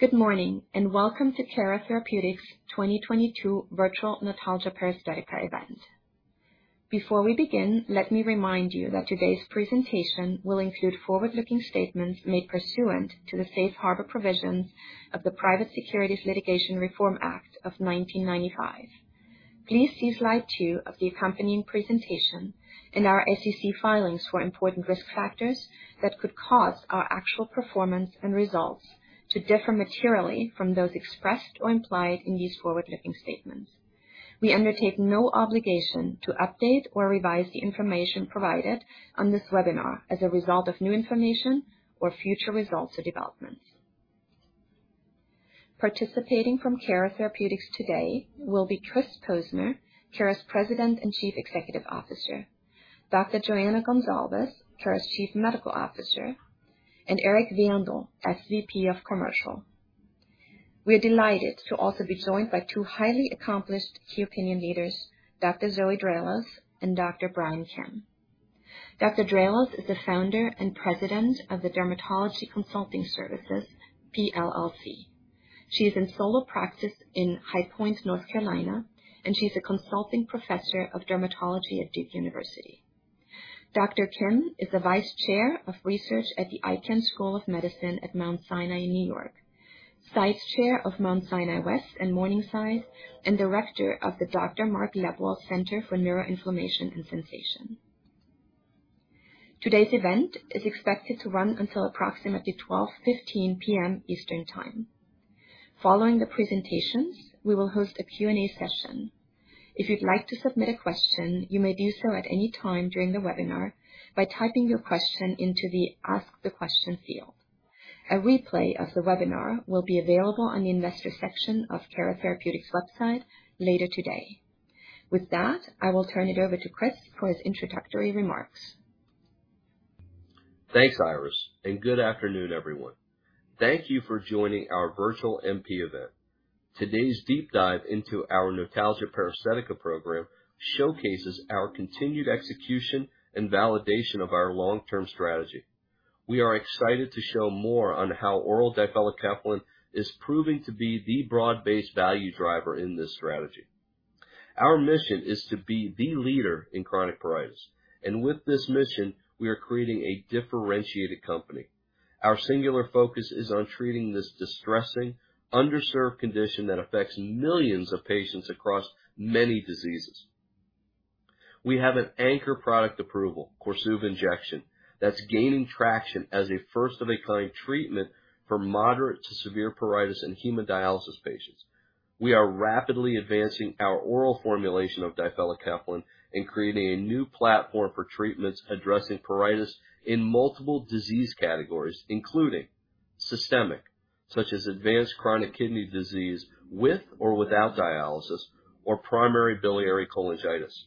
Good morning, and welcome to Cara Therapeutics' 2022 Virtual Notalgia Paresthetica Event. Before we begin, let me remind you that today's presentation will include forward-looking statements made pursuant to the safe harbor provisions of the Private Securities Litigation Reform Act of 1995. Please see slide two of the accompanying presentation in our SEC filings for important risk factors that could cause our actual performance and results to differ materially from those expressed or implied in these forward-looking statements. We undertake no obligation to update or revise the information provided on this webinar as a result of new information or future results or developments. Participating from Cara Therapeutics today will be Chris Posner, Cara's President and Chief Executive Officer, Dr. Joana Goncalves, Cara's Chief Medical Officer, and Eric Vandal, SVP of Commercial. We're delighted to also be joined by two highly accomplished key opinion leaders, Dr. Zoe Draelos and Dr. Brian Kim. Dr. Draelos is the Founder and President of the Dermatology Consulting Services, PLLC. She's in solo practice in High Point, North Carolina, and she's a Consulting Professor of Dermatology at Duke University. Dr. Kim is the Vice Chair of Research at the Icahn School of Medicine at Mount Sinai in New York, Site Chair of Mount Sinai West and Morningside, and Director of the Mark Lebwohl Center for Neuroinflammation and Sensation. Today's event is expected to run until approximately 12:15 P.M. Eastern Time. Following the presentations, we will host a Q&A session. If you'd like to submit a question, you may do so at any time during the webinar by typing your question into the Ask the Question field. A replay of the webinar will be available on the investor section of Cara Therapeutics' website later today. With that, I will turn it over to Chris for his introductory remarks. Thanks, Iris, and good afternoon, everyone. Thank you for joining our virtual NP event. Today's deep dive into our Notalgia Paresthetica Program showcases our continued execution and validation of our long-term strategy. We are excited to show more on how oral difelikefalin is proving to be the broad-based value driver in this strategy. Our mission is to be the leader in chronic pruritus, and with this mission, we are creating a differentiated company. Our singular focus is on treating this distressing, underserved condition that affects millions of patients across many diseases. We have an anchor product approval, KORSUVA injection, that's gaining traction as a first-of-its-kind treatment for moderate to severe pruritus in hemodialysis patients. We are rapidly advancing our oral formulation of difelikefalin and creating a new platform for treatments addressing pruritus in multiple disease categories, including systemic, such as advanced chronic kidney disease with or without dialysis or primary biliary cholangitis,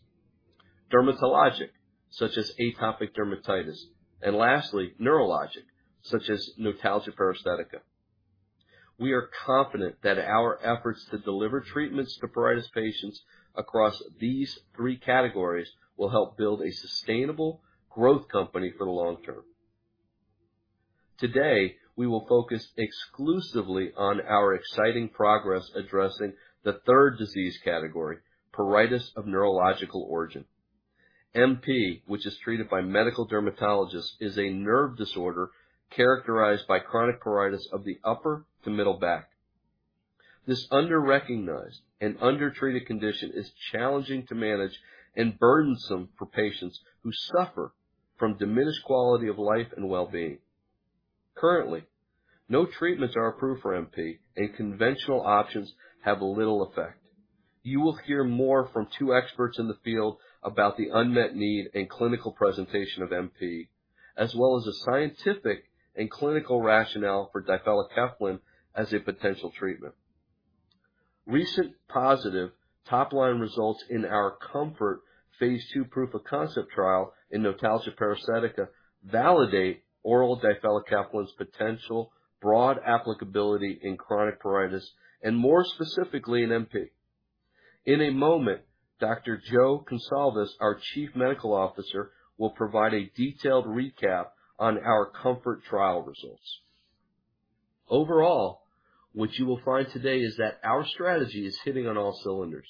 dermatologic, such as atopic dermatitis, and lastly, neurologic, such as notalgia paresthetica. We are confident that our efforts to deliver treatments to pruritus patients across these three categories will help build a sustainable growth company for the long term. Today, we will focus exclusively on our exciting progress addressing the third disease category, pruritus of neurological origin. NP, which is treated by medical dermatologists, is a nerve disorder characterized by chronic pruritus of the upper to middle back. This under-recognized and undertreated condition is challenging to manage and burdensome for patients who suffer from diminished quality of life and well-being. Currently, no treatments are approved for NP and conventional options have little effect. You will hear more from two experts in the field about the unmet need and clinical presentation of NP, as well as the scientific and clinical rationale for difelikefalin as a potential treatment. Recent positive top-line results in our KOMFORT phase II proof of concept trial in notalgia paresthetica validate oral difelikefalin's potential broad applicability in chronic pruritus and more specifically in NP. In a moment, Dr. Jo Goncalves, our Chief Medical Officer, will provide a detailed recap on our KOMFORT trial results. Overall, what you will find today is that our strategy is hitting on all cylinders.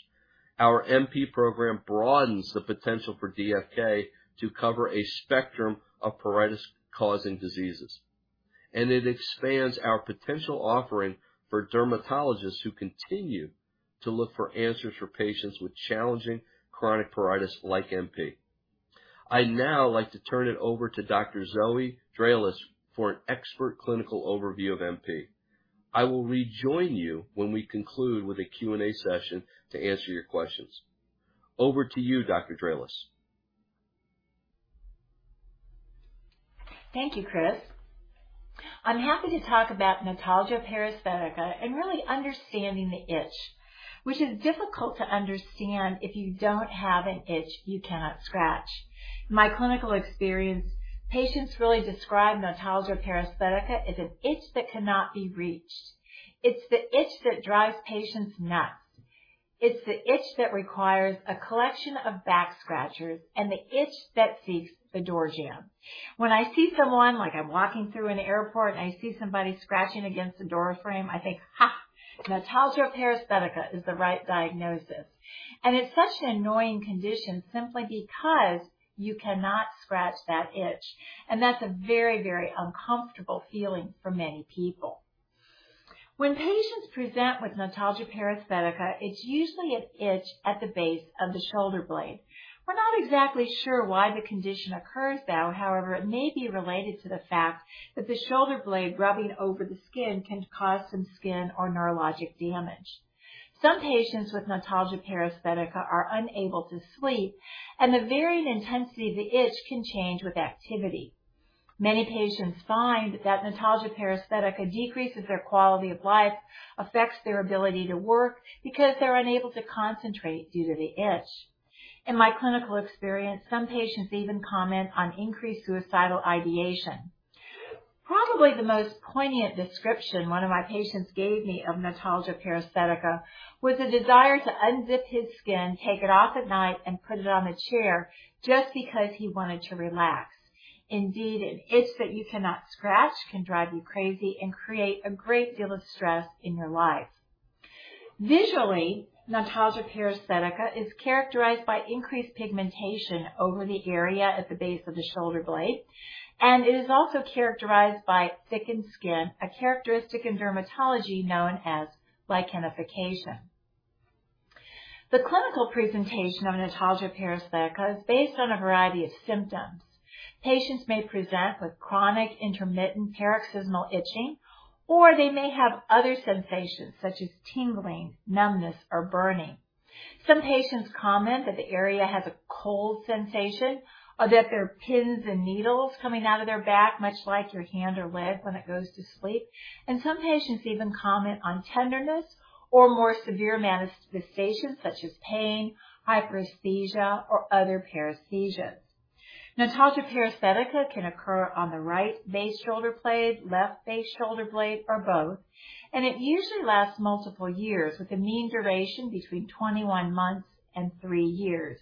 Our NP program broadens the potential for DFK to cover a spectrum of pruritus-causing diseases, and it expands our potential offering for dermatologists who continue to look for answers for patients with challenging chronic pruritus like NP. I'd now like to turn it over to Dr. Zoe Draelos for an expert clinical overview of NP. I will rejoin you when we conclude with a Q&A session to answer your questions. Over to you, Dr. Draelos. Thank you, Chris. I'm happy to talk about notalgia paresthetica and really understanding the itch, which is difficult to understand if you don't have an itch you cannot scratch. In my clinical experience, patients really describe notalgia paresthetica as an itch that cannot be reached. It's the itch that drives patients nuts. It's the itch that requires a collection of back scratchers and the itch that seeks the door jamb. When I see someone, like I'm walking through an airport, and I see somebody scratching against a door frame, I think, ha, notalgia paresthetica is the right diagnosis. It's such an annoying condition simply because you cannot scratch that itch, and that's a very, very uncomfortable feeling for many people. When patients present with notalgia paresthetica, it's usually an itch at the base of the shoulder blade. We're not exactly sure why the condition occurs, though. However, it may be related to the fact that the shoulder blade rubbing over the skin can cause some skin or neurologic damage. Some patients with notalgia paresthetica are unable to sleep, and the varying intensity of the itch can change with activity. Many patients find that notalgia paresthetica decreases their quality of life, affects their ability to work because they're unable to concentrate due to the itch. In my clinical experience, some patients even comment on increased suicidal ideation. Probably the most poignant description one of my patients gave me of notalgia paresthetica was the desire to unzip his skin, take it off at night, and put it on the chair just because he wanted to relax. Indeed, an itch that you cannot scratch can drive you crazy and create a great deal of stress in your life. Visually, notalgia paresthetica is characterized by increased pigmentation over the area at the base of the shoulder blade, and it is also characterized by thickened skin, a characteristic in dermatology known as lichenification. The clinical presentation of notalgia paresthetica is based on a variety of symptoms. Patients may present with chronic intermittent paroxysmal itching, or they may have other sensations such as tingling, numbness, or burning. Some patients comment that the area has a cold sensation, or that there are pins and needles coming out of their back, much like your hand or leg when it goes to sleep. Some patients even comment on tenderness or more severe manifestations such as pain, hyperesthesia, or other paresthesias. Notalgia paresthetica can occur on the right base shoulder blade, left base shoulder blade, or both, and it usually lasts multiple years, with a mean duration between 21 months and three years.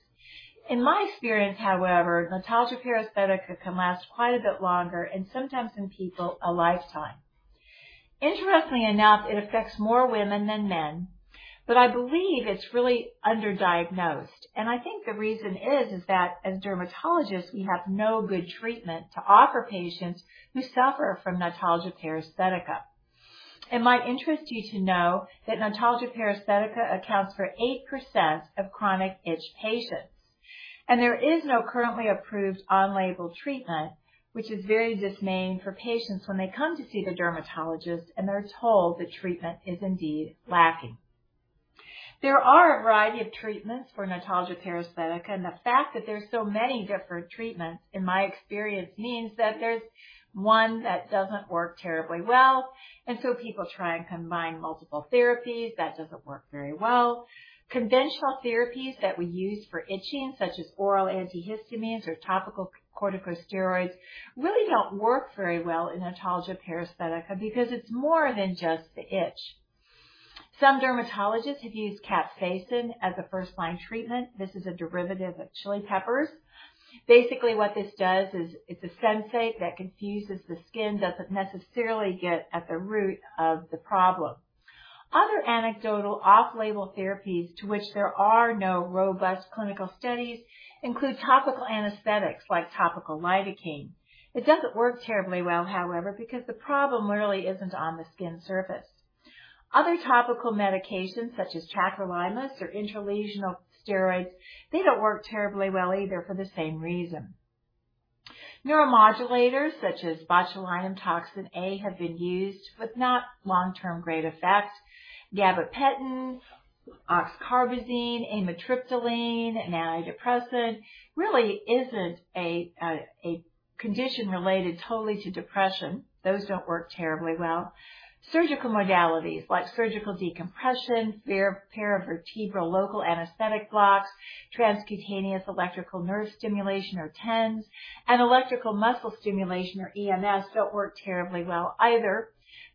In my experience, however, notalgia paresthetica can last quite a bit longer and sometimes in people, a lifetime. Interestingly enough, it affects more women than men, but I believe it's really underdiagnosed, and I think the reason is that as dermatologists, we have no good treatment to offer patients who suffer from notalgia paresthetica. It might interest you to know that notalgia paresthetica accounts for 8% of chronic itch patients, and there is no currently approved on-label treatment, which is very dismaying for patients when they come to see the dermatologist, and they're told the treatment is indeed lacking. There are a variety of treatments for notalgia paresthetica, and the fact that there are so many different treatments, in my experience, means that there's one that doesn't work terribly well, and so people try and combine multiple therapies. That doesn't work very well. Conventional therapies that we use for itching, such as oral antihistamines or topical corticosteroids, really don't work very well in notalgia paresthetica because it's more than just the itch. Some dermatologists have used capsaicin as a first-line treatment. This is a derivative of chili peppers. Basically, what this does is it's a sensitizer that confuses the skin, doesn't necessarily get at the root of the problem. Other anecdotal off-label therapies to which there are no robust clinical studies include topical anesthetics like topical lidocaine. It doesn't work terribly well, however, because the problem really isn't on the skin surface. Other topical medications such as tacrolimus or intralesional steroids, they don't work terribly well either for the same reason. Neuromodulators such as botulinum toxin A have been used, with not long-term great effect. Gabapentin, oxcarbazepine, amitriptyline, an antidepressant, really isn't a condition related totally to depression. Those don't work terribly well. Surgical modalities like surgical decompression, vertebral local anesthetic blocks, transcutaneous electrical nerve stimulation or TENS, and electrical muscle stimulation or EMS don't work terribly well either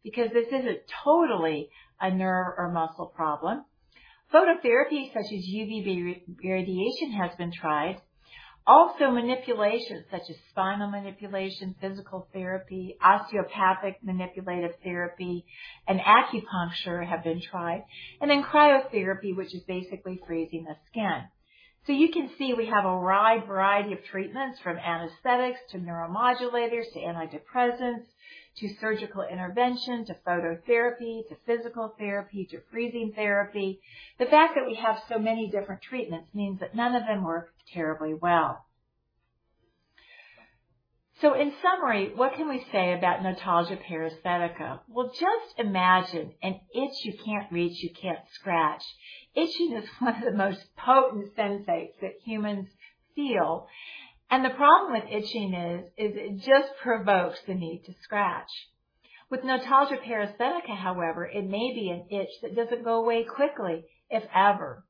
because this isn't totally a nerve or muscle problem. Phototherapy, such as UVB radiation, has been tried. Also, manipulations such as spinal manipulation, physical therapy, osteopathic manipulative therapy, and acupuncture have been tried, and then cryotherapy, which is basically freezing the skin. You can see we have a wide variety of treatments from anesthetics to neuromodulators to antidepressants to surgical intervention to phototherapy to physical therapy to freezing therapy. The fact that we have so many different treatments means that none of them work terribly well. In summary, what can we say about notalgia paresthetica? Well, just imagine an itch you can't reach, you can't scratch. Itching is one of the most potent sensates that humans feel. The problem with itching is it just provokes the need to scratch. With notalgia paresthetica, however, it may be an itch that doesn't go away quickly, if ever.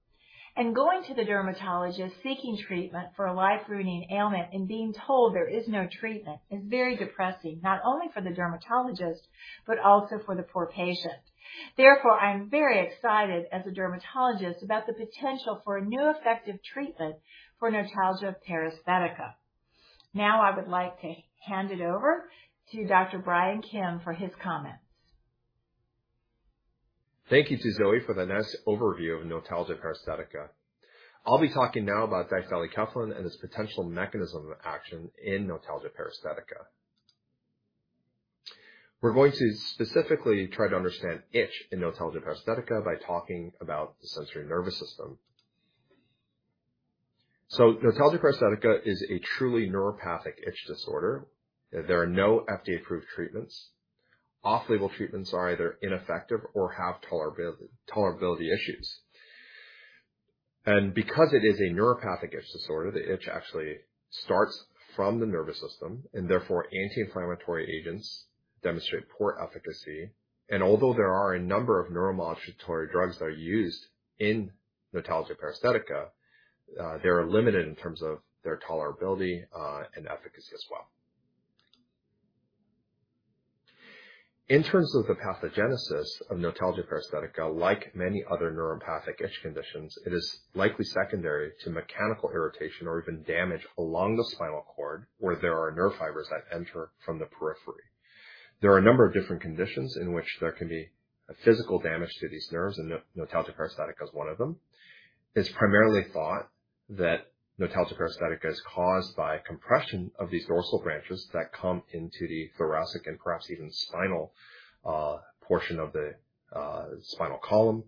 Going to the dermatologist seeking treatment for a life-ruining ailment and being told there is no treatment is very depressing, not only for the dermatologist, but also for the poor patient. Therefore, I am very excited as a dermatologist about the potential for a new effective treatment for notalgia paresthetica. Now I would like to hand it over to Dr. Brian Kim for his comments. Thank you to Zoe for the nice overview of notalgia paresthetica. I'll be talking now about difelikefalin and its potential mechanism of action in notalgia paresthetica. We're going to specifically try to understand itch in notalgia paresthetica by talking about the sensory nervous system. Notalgia paresthetica is a truly neuropathic itch disorder. There are no FDA-approved treatments. Off-label treatments are either ineffective or have tolerability issues. Because it is a neuropathic itch disorder, the itch actually starts from the nervous system, and therefore, anti-inflammatory agents demonstrate poor efficacy. Although there are a number of neuromodulatory drugs that are used in notalgia paresthetica, they are limited in terms of their tolerability, and efficacy as well. In terms of the pathogenesis of notalgia paresthetica, like many other neuropathic itch conditions, it is likely secondary to mechanical irritation or even damage along the spinal cord, where there are nerve fibers that enter from the periphery. There are a number of different conditions in which there can be a physical damage to these nerves, and notalgia paresthetica is one of them. It's primarily thought that notalgia paresthetica is caused by compression of these dorsal branches that come into the thoracic and perhaps even spinal portion of the spinal column,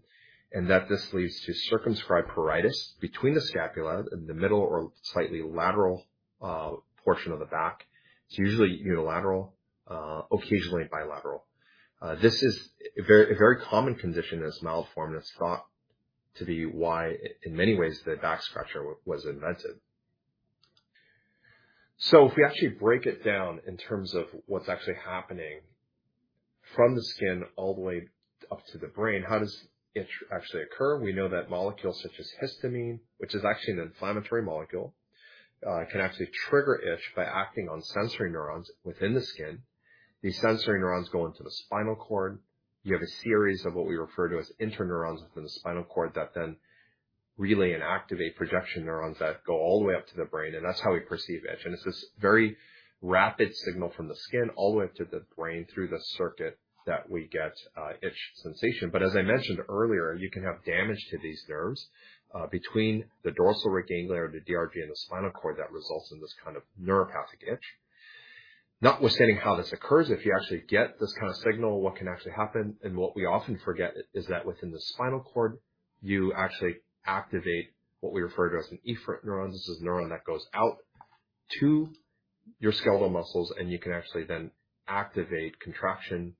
and that this leads to circumscribed pruritus between the scapula in the middle or slightly lateral portion of the back. It's usually unilateral, occasionally bilateral. This is a very common condition that's malformed. It's thought to be why in many ways the back scratcher was invented. If we actually break it down in terms of what's actually happening from the skin all the way up to the brain, how does itch actually occur? We know that molecules such as histamine, which is actually an inflammatory molecule, can actually trigger itch by acting on sensory neurons within the skin. These sensory neurons go into the spinal cord. You have a series of what we refer to as interneurons within the spinal cord that then relay and activate projection neurons that go all the way up to the brain, and that's how we perceive itch. It's this very rapid signal from the skin all the way up to the brain through the circuit that we get itch sensation. As I mentioned earlier, you can have damage to these nerves between the dorsal root ganglion, the DRG, and the spinal cord that results in this kind of neuropathic itch. Notwithstanding how this occurs, if you actually get this kind of signal, what can actually happen, and what we often forget, is that within the spinal cord, you actually activate what we refer to as an efferent neuron. This is a neuron that goes out to your skeletal muscles, and you can actually then activate contraction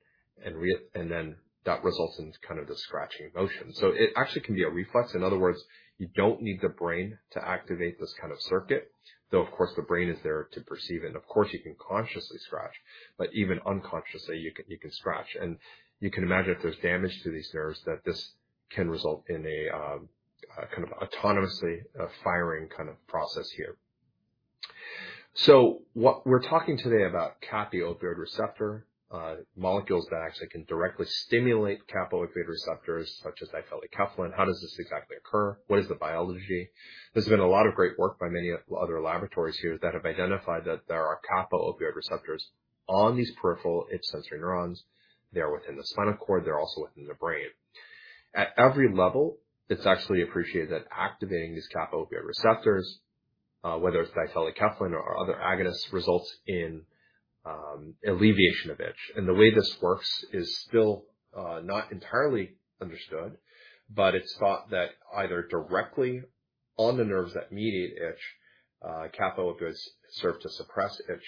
and then that results in kind of the scratching motion. It actually can be a reflex. In other words, you don't need the brain to activate this kind of circuit, though of course the brain is there to perceive it. Of course you can consciously scratch, but even unconsciously you can scratch. You can imagine if there's damage to these nerves that this can result in a kind of autonomously firing kind of process here. What we're talking today about kappa opioid receptor molecules that actually can directly stimulate kappa opioid receptors such as difelikefalin. How does this exactly occur? What is the biology? There's been a lot of great work by many other laboratories here that have identified that there are kappa opioid receptors on these peripheral itch sensory neurons. They're within the spinal cord. They're also within the brain. At every level, it's actually appreciated that activating these kappa opioid receptors, whether it's difelikefalin or other agonists, results in alleviation of itch. The way this works is still not entirely understood, but it's thought that either directly on the nerves that mediate itch, kappa opioids serve to suppress itch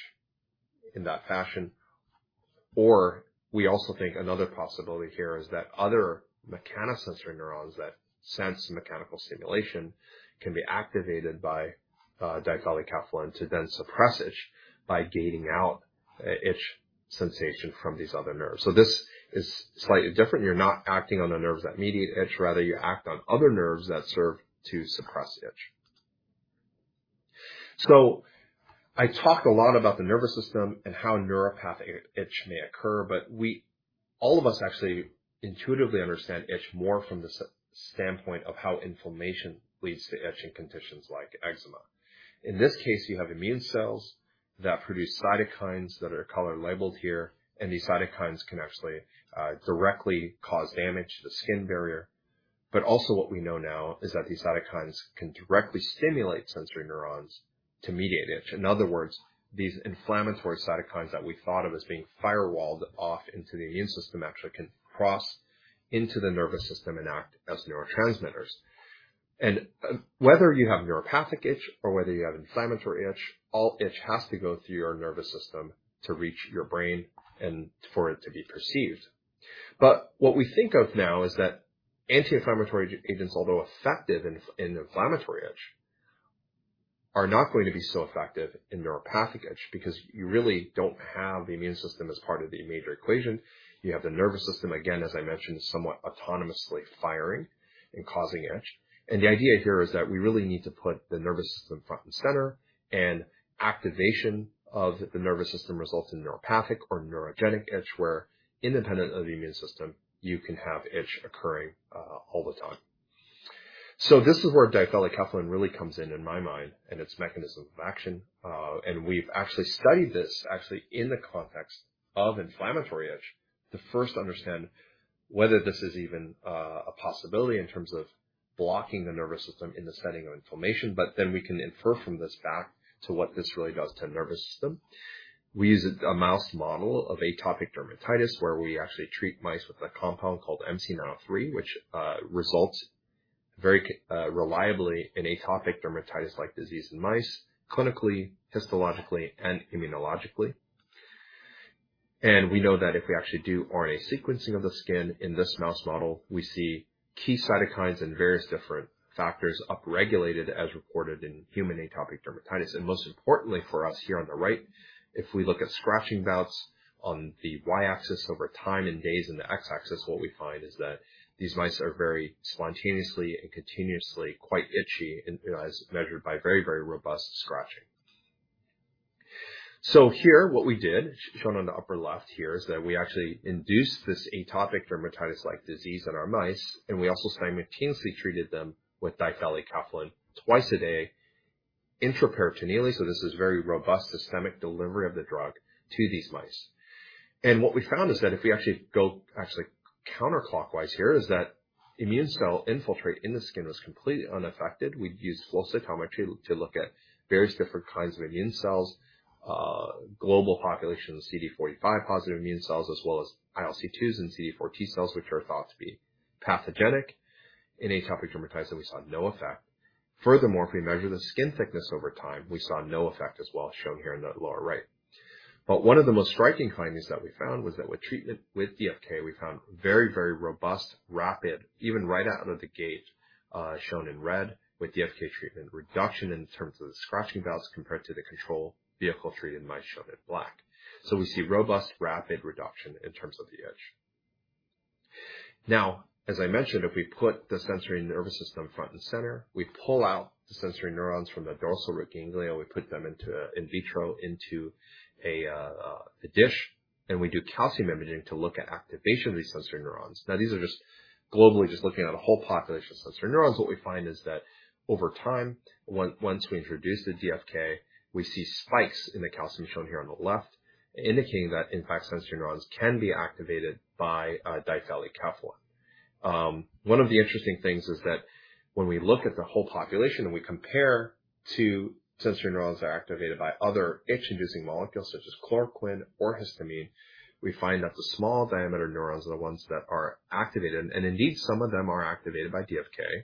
in that fashion. Or we also think another possibility here is that other mechanosensory neurons that sense mechanical stimulation can be activated by difelikefalin to then suppress itch by gating out itch sensation from these other nerves. This is slightly different. You're not acting on the nerves that mediate itch. Rather, you act on other nerves that serve to suppress itch. I talked a lot about the nervous system and how neuropathic itch may occur, but we all of us actually intuitively understand itch more from the standpoint of how inflammation leads to itching conditions like eczema. In this case, you have immune cells that produce cytokines that are color labeled here, and these cytokines can actually directly cause damage to the skin barrier. Also what we know now is that these cytokines can directly stimulate sensory neurons to mediate itch. In other words, these inflammatory cytokines that we thought of as being firewalled off into the immune system actually can cross into the nervous system and act as neurotransmitters. Whether you have neuropathic itch or whether you have inflammatory itch, all itch has to go through your nervous system to reach your brain and for it to be perceived. What we think of now is that anti-inflammatory agents, although effective in inflammatory itch, are not going to be so effective in neuropathic itch because you really don't have the immune system as part of the major equation. You have the nervous system, again, as I mentioned, somewhat autonomously firing and causing itch. The idea here is that we really need to put the nervous system front and center, and activation of the nervous system results in neuropathic or neurogenic itch, where independent of the immune system, you can have itch occurring, all the time. This is where difelikefalin really comes in in my mind and its mechanism of action. We've actually studied this actually in the context of inflammatory itch to first understand whether this is even, a possibility in terms of blocking the nervous system in the setting of inflammation, but then we can infer from this back to what this really does to the nervous system. We use a mouse model of atopic dermatitis, where we actually treat mice with a compound called MC903, which results very reliably in atopic dermatitis-like disease in mice, clinically, histologically, and immunologically. We know that if we actually do RNA sequencing of the skin in this mouse model, we see key cytokines and various different factors upregulated as reported in human atopic dermatitis. Most importantly for us here on the right, if we look at scratching bouts on the Y-axis over time in days in the X-axis, what we find is that these mice are very spontaneously and continuously quite itchy, you know, as measured by very, very robust scratching. Here what we did, shown on the upper left here, is that we actually induced this atopic dermatitis-like disease in our mice, and we also simultaneously treated them with difelikefalin twice a day intraperitoneally. This is very robust systemic delivery of the drug to these mice. What we found is that if we actually go actually counterclockwise here, is that immune cell infiltrate in the skin was completely unaffected. We'd use flow cytometry to look at various different kinds of immune cells, global populations of CD45+ immune cells, as well as ILC2s and CD4+ T cells, which are thought to be pathogenic in atopic dermatitis, and we saw no effect. Furthermore, if we measure the skin thickness over time, we saw no effect as well, shown here in the lower right. One of the most striking findings that we found was that with treatment with DFK, we found very, very robust, rapid, even right out of the gate, shown in red with DFK treatment, reduction in terms of the scratching bouts compared to the control vehicle-treated mice shown in black. We see robust, rapid reduction in terms of the itch. Now, as I mentioned, if we put the sensory nervous system front and center, we pull out the sensory neurons from the dorsal root ganglia, and we put them into an in vitro dish, and we do calcium imaging to look at activation of these sensory neurons. Now, these are just globally just looking at a whole population of sensory neurons. What we find is that over time, once we introduce the DFK, we see spikes in the calcium shown here on the left, indicating that in fact, sensory neurons can be activated by difelikefalin. One of the interesting things is that when we look at the whole population and we compare to sensory neurons that are activated by other itch-inducing molecules such as chloroquine or histamine, we find that the small diameter neurons are the ones that are activated, and indeed, some of them are activated by DFK.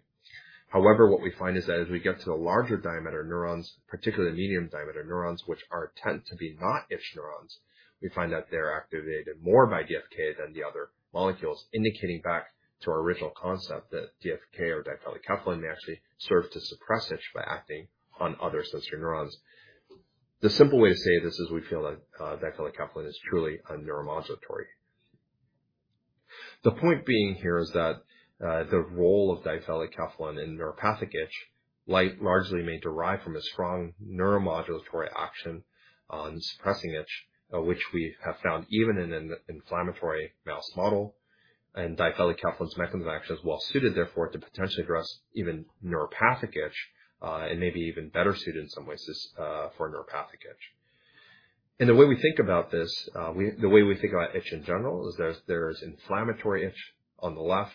However, what we find is that as we get to the larger diameter neurons, particularly the medium diameter neurons, which tend to be not itch neurons, we find that they're activated more by DFK than the other molecules. Indicating back to our original concept that DFK or difelikefalin may actually serve to suppress itch by acting on other sensory neurons. The simple way to say this is we feel that difelikefalin is truly a neuromodulator. The point being here is that the role of difelikefalin in neuropathic itch largely may derive from a strong neuromodulatory action on suppressing itch, which we have found even in an inflammatory mouse model. Difelikefalin's mechanism of action is well suited, therefore, to potentially address even neuropathic itch and may be even better suited in some ways for neuropathic itch. The way we think about itch in general is there's inflammatory itch on the left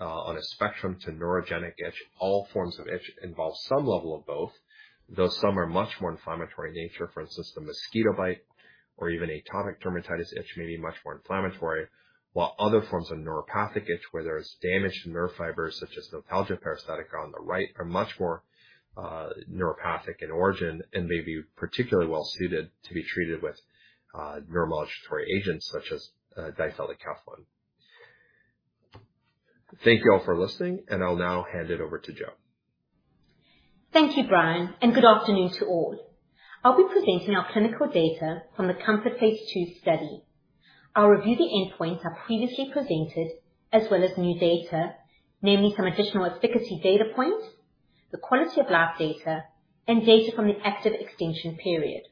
on a spectrum to neurogenic itch. All forms of itch involve some level of both, though some are much more inflammatory in nature. For instance, the mosquito bite or even atopic dermatitis itch may be much more inflammatory. While other forms of neuropathic itch, where there's damage to nerve fibers such as the brachioradial pruritus on the right, are much more, neuropathic in origin and may be particularly well-suited to be treated with, neuromodulatory agents such as, difelikefalin. Thank you all for listening, and I'll now hand it over to Jo. Thank you, Brian, and good afternoon to all. I'll be presenting our clinical data from the KOMFORT phase II study. I'll review the endpoints I previously presented as well as new data, namely some additional efficacy data points, the quality of life data, and data from the active extension period.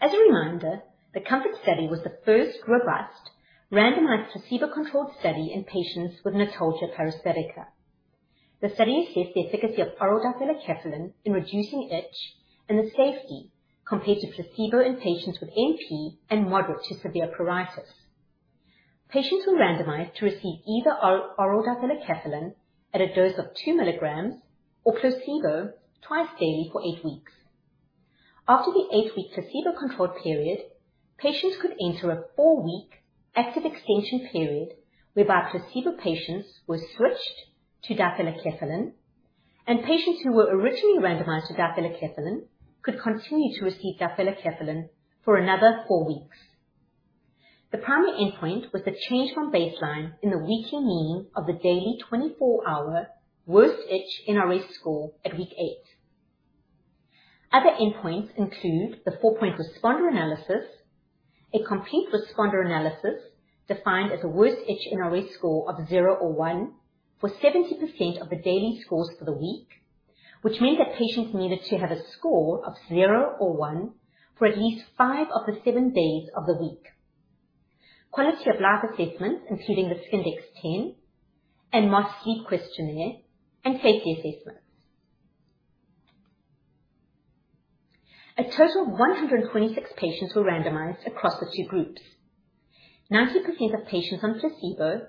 As a reminder, the KOMFORT study was the first robust randomized placebo-controlled study in patients with notalgia paresthetica. The study assessed the efficacy of oral difelikefalin in reducing itch and the safety compared to placebo in patients with NP and moderate to severe pruritus. Patients were randomized to receive either oral difelikefalin at a dose of 2 mg or placebo twice daily for eight weeks. After the eight-week placebo control period, patients could enter a four-week active extension period whereby placebo patients were switched to difelikefalin, and patients who were originally randomized to difelikefalin could continue to receive difelikefalin for another four weeks. The primary endpoint was a change from baseline in the weekly mean of the daily 24-hour worst itch NRS score at week eight. Other endpoints include the four-point responder analysis, a complete responder analysis defined as a worst itch NRS score of zero or one for 70% of the daily scores for the week, which meant that patients needed to have a score of zero or one for at least five of the seven days of the week. Quality of life assessments including the Skindex-10 and MOS Sleep questionnaire and safety assessments. A total of 126 patients were randomized across the two groups. 90% of patients on placebo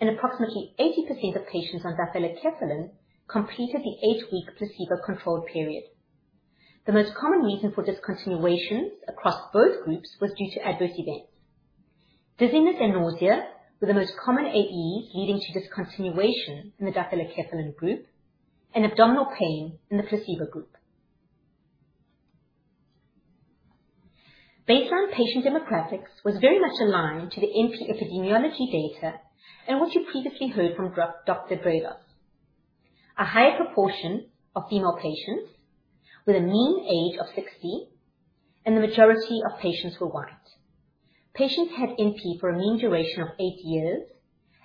and approximately 80% of patients on difelikefalin completed the eight-week placebo-controlled period. The most common reason for discontinuations across both groups was due to adverse events. Dizziness and nausea were the most common AEs leading to discontinuation in the difelikefalin group and abdominal pain in the placebo group. Baseline patient demographics was very much aligned to the NP epidemiology data and what you previously heard from Dr. Draelos. A higher proportion of female patients with a mean age of 60 and the majority of patients were white. Patients had NP for a mean duration of eight years,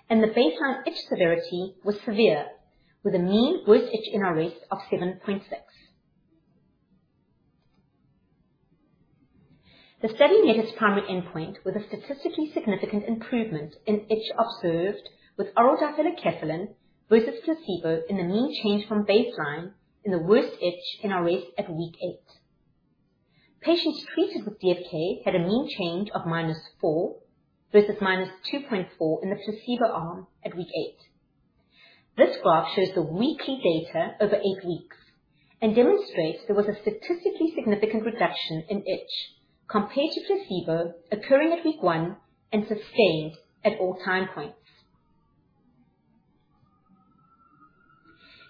and the baseline itch severity was severe, with a mean worst itch NRS of 7.6. The study met its primary endpoint with a statistically significant improvement in itch observed with oral difelikefalin versus placebo in the mean change from baseline in the worst itch NRS at week eight. Patients treated with DFK had a mean change of -4 versus -2.4 in the placebo arm at week eight. This graph shows the weekly data over eight weeks and demonstrates there was a statistically significant reduction in itch compared to placebo occurring at week one and sustained at all time points.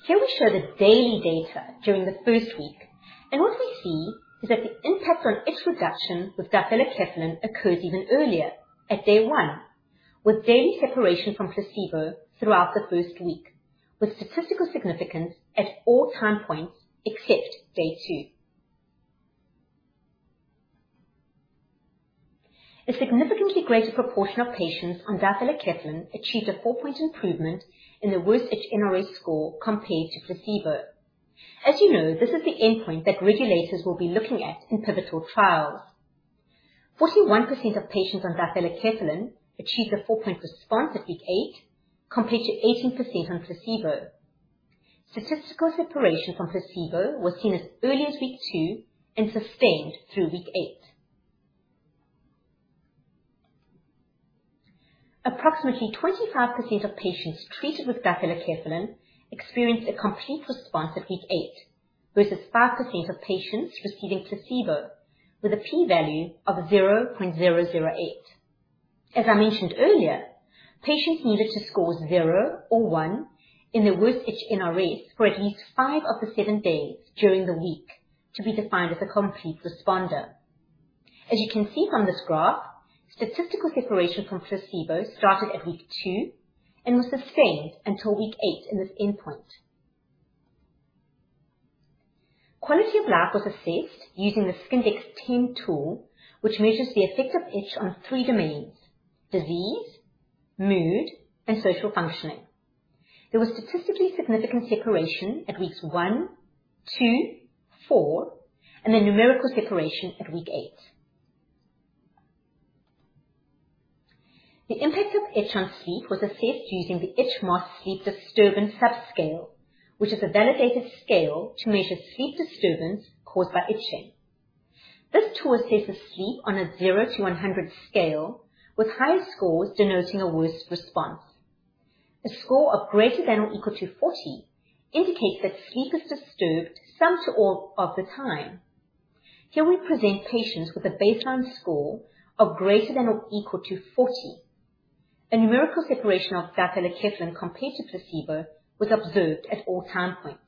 Here we show the daily data during the first week. What we see is that the impact on itch reduction with difelikefalin occurs even earlier at day one, with daily separation from placebo throughout the first week, with statistical significance at all time points except day two. A significantly greater proportion of patients on difelikefalin achieved a four-point improvement in their worst itch NRS score compared to placebo. As you know, this is the endpoint that regulators will be looking at in pivotal trials. 41% of patients on difelikefalin achieved a four-point response at week eighttwo compared to 18% on placebo. Statistical separation from placebo was seen as early as week two and sustained through week eight. Approximately 25% of patients treated with difelikefalin experienced a complete response at week eight, versus 5% of patients receiving placebo with a P value of 0.008. As I mentioned earlier, patients needed to score zero or one in their worst itch NRS for at least five of the seven days during the week to be defined as a complete responder. As you can see from this graph, statistical separation from placebo started at week two and was sustained until week eight in this endpoint. Quality of life was assessed using the Skindex-10 tool, which measures the effect of itch on three domains, disease, mood, and social functioning. There was statistically significant separation at weeks one, two, four and then numerical separation at week eight. The impact of itch on sleep was assessed using the Itch MOS Sleep Disturbance Subscale, which is a validated scale to measure sleep disturbance caused by itching. This tool assesses sleep on a zero to 100 scale, with higher scores denoting a worse response. A score of greater than or equal to 40 indicates that sleep is disturbed some to all of the time. Here we present patients with a baseline score of greater than or equal to 40. A numerical separation of difelikefalin compared to placebo was observed at all time points.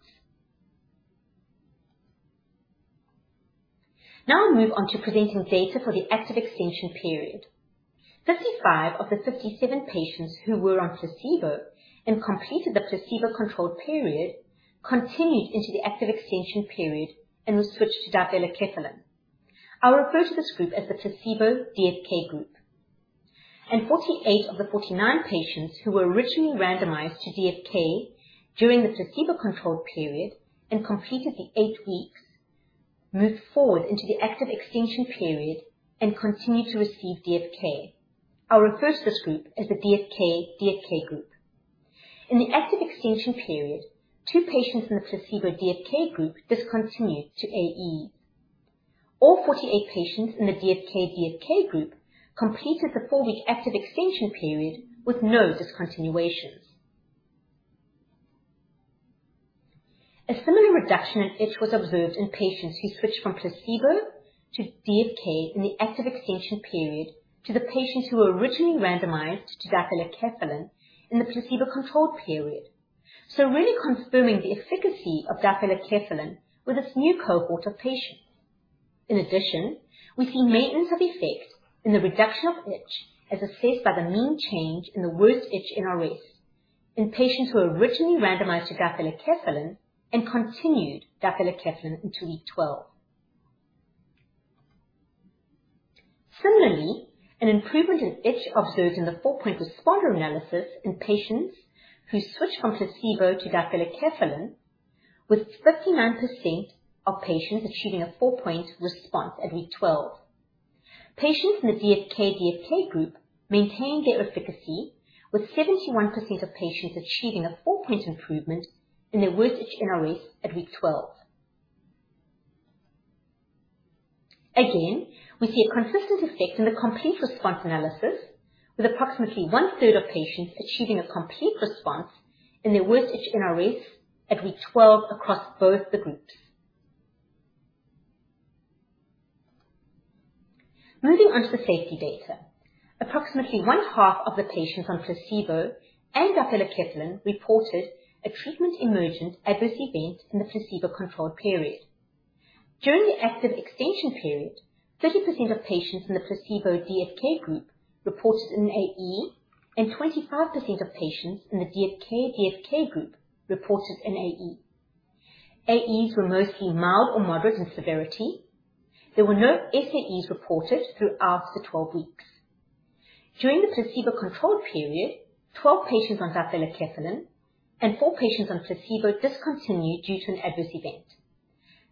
Now we move on to presenting data for the active extension period. 55 of the 57 patients who were on placebo and completed the placebo-controlled period continued into the active extension period and were switched to difelikefalin. I'll refer to this group as the placebo DFK group. 48 of the 49 patients who were originally randomized to DFK during the placebo-controlled period and completed the eight weeks moved forward into the active extension period and continued to receive DFK. I'll refer to this group as the DFK DFK group. In the active extension period, two patients in the placebo DFK group discontinued to AE. All 48 patients in the DFK DFK group completed the four-week active extension period with no discontinuations. A similar reduction in itch was observed in patients who switched from placebo to DFK in the active extension period to the patients who were originally randomized to difelikefalin in the placebo-controlled period. Really confirming the efficacy of difelikefalin with this new cohort of patients. In addition, we see maintenance of effect in the reduction of itch, as assessed by the mean change in the worst itch NRS in patients who were originally randomized to difelikefalin and continued difelikefalin until week 12. Similarly, an improvement in itch observed in the four-point responder analysis in patients who switched from placebo to difelikefalin, with 59% of patients achieving a four-point response at week 12. Patients in the DFK-DFK group maintained their efficacy, with 71% of patients achieving a four-point improvement in their worst itch NRS at week 12. Again, we see a consistent effect in the complete response analysis with approximately one-third of patients achieving a complete response in their worst itch NRS at week 12 across both the groups. Moving on to the safety data. Approximately one-half of the patients on placebo and difelikefalin reported a treatment emergent adverse event in the placebo-controlled period. During the active extension period, 30% of patients in the placebo DFK group reported an AE, and 25% of patients in the DFK-DFK group reported an AE. AEs were mostly mild or moderate in severity. There were no SAEs reported throughout the 12 weeks. During the placebo-controlled period, 12 patients on difelikefalin and 4 patients on placebo discontinued due to an adverse event.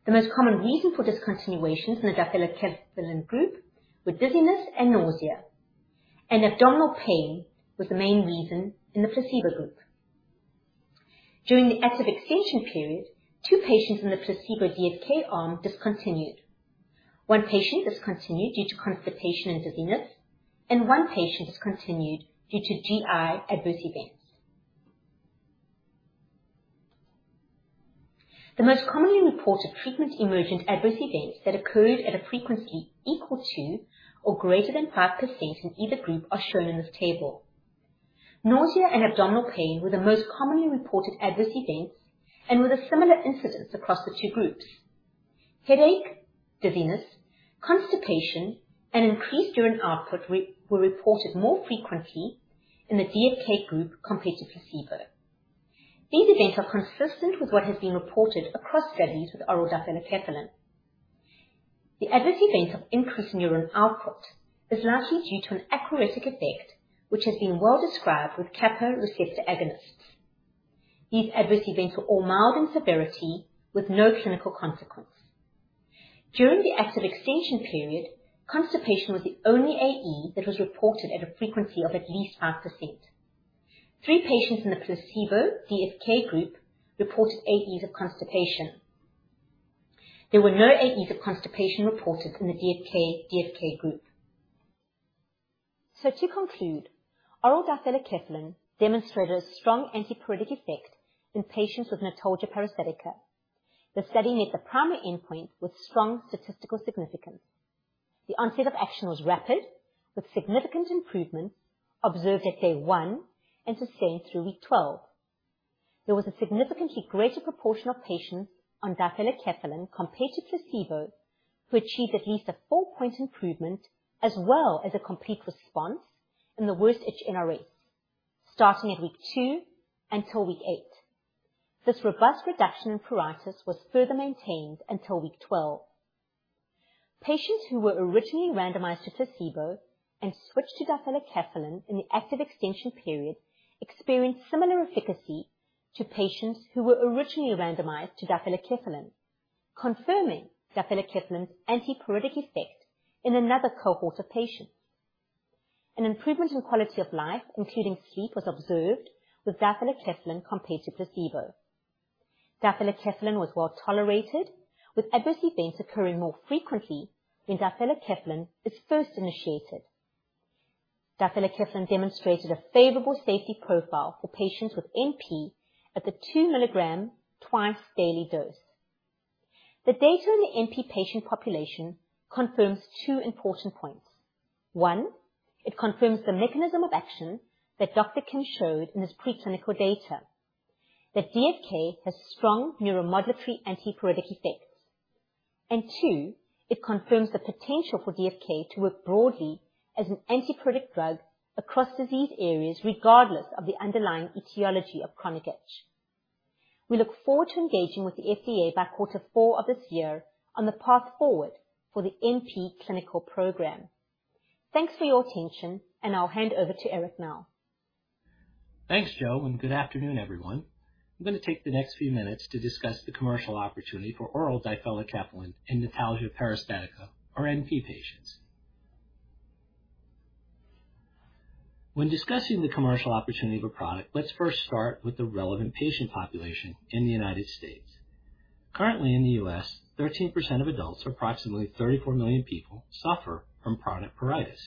The most common reason for discontinuation in the difelikefalin group were dizziness and nausea, and abdominal pain was the main reason in the placebo group. During the active extension period, two patients in the placebo DFK arm discontinued. One patient discontinued due to constipation and dizziness, and one patient discontinued due to GI adverse events. The most commonly reported treatment-emergent adverse events that occurred at a frequency equal to or greater than 5% in either group are shown in this table. Nausea and abdominal pain were the most commonly reported adverse events and with a similar incidence across the two groups. Headache, dizziness, constipation, and increased urine output were reported more frequently in the DFK group compared to placebo. These events are consistent with what has been reported across studies with oral difelikefalin. The adverse event of increased urine output is largely due to an aquaretic effect, which has been well described with kappa receptor agonists. These adverse events were all mild in severity with no clinical consequence. During the active extension period, constipation was the only AE that was reported at a frequency of at least 5%. 3 patients in the placebo DFK group reported AEs of constipation. There were no AEs of constipation reported in the DFK-DFK group. To conclude, oral difelikefalin demonstrated a strong antipruritic effect in patients with notalgia paresthetica. The study met the primary endpoint with strong statistical significance. The onset of action was rapid, with significant improvement observed at day one and sustained through week 12. There was a significantly greater proportion of patients on difelikefalin compared to placebo, who achieved at least a four-point improvement as well as a complete response in the worst itch NRS, starting at week two until week eight. This robust reduction in pruritus was further maintained until week 12. Patients who were originally randomized to placebo and switched to difelikefalin in the active extension period experienced similar efficacy to patients who were originally randomized to difelikefalin, confirming difelikefalin's antipruritic effect in another cohort of patients. An improvement in quality of life, including sleep, was observed with difelikefalin compared to placebo. Difelikefalin was well-tolerated, with adverse events occurring more frequently when difelikefalin is first initiated. Difelikefalin demonstrated a favorable safety profile for patients with NP at the 2-mg twice-daily dose. The data in the NP patient population confirms two important points. One, it confirms the mechanism of action that Dr. Kim showed in his pre-clinical data that DFK has strong neuromodulatory antipruritic effects. Two, it confirms the potential for DFK to work broadly as an antipruritic drug across disease areas, regardless of the underlying etiology of chronic itch. We look forward to engaging with the FDA by quarter four of this year on the path forward for the NP clinical program. Thanks for your attention, and I'll hand over to Eric now. Thanks, Jo, and good afternoon, everyone. I'm gonna take the next few minutes to discuss the commercial opportunity for oral difelikefalin in notalgia paresthetica or NP patients. When discussing the commercial opportunity of a product, let's first start with the relevant patient population in the United States. Currently in the U.S., 13% of adults, approximately 34 million people, suffer from chronic pruritus.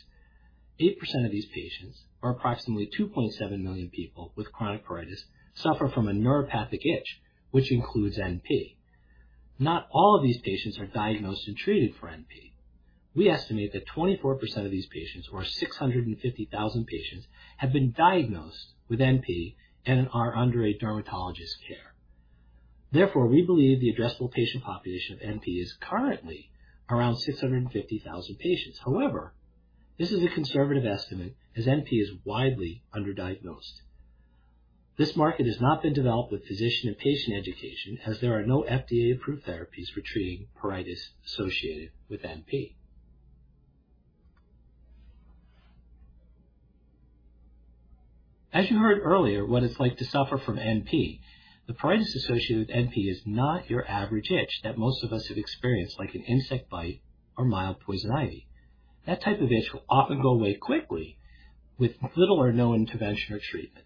8% of these patients, or approximately 2.7 million people with chronic pruritus, suffer from a neuropathic itch, which includes NP. Not all of these patients are diagnosed and treated for NP. We estimate that 24% of these patients, or 650,000 patients, have been diagnosed with NP and are under a dermatologist care. Therefore, we believe the addressable patient population of NP is currently around 650,000 patients. However, this is a conservative estimate as NP is widely underdiagnosed. This market has not been developed with physician and patient education as there are no FDA-approved therapies for treating pruritus associated with NP. As you heard earlier, what it's like to suffer from NP, the pruritus associated with NP is not your average itch that most of us have experienced, like an insect bite or mild poison ivy. That type of itch will often go away quickly with little or no intervention or treatment.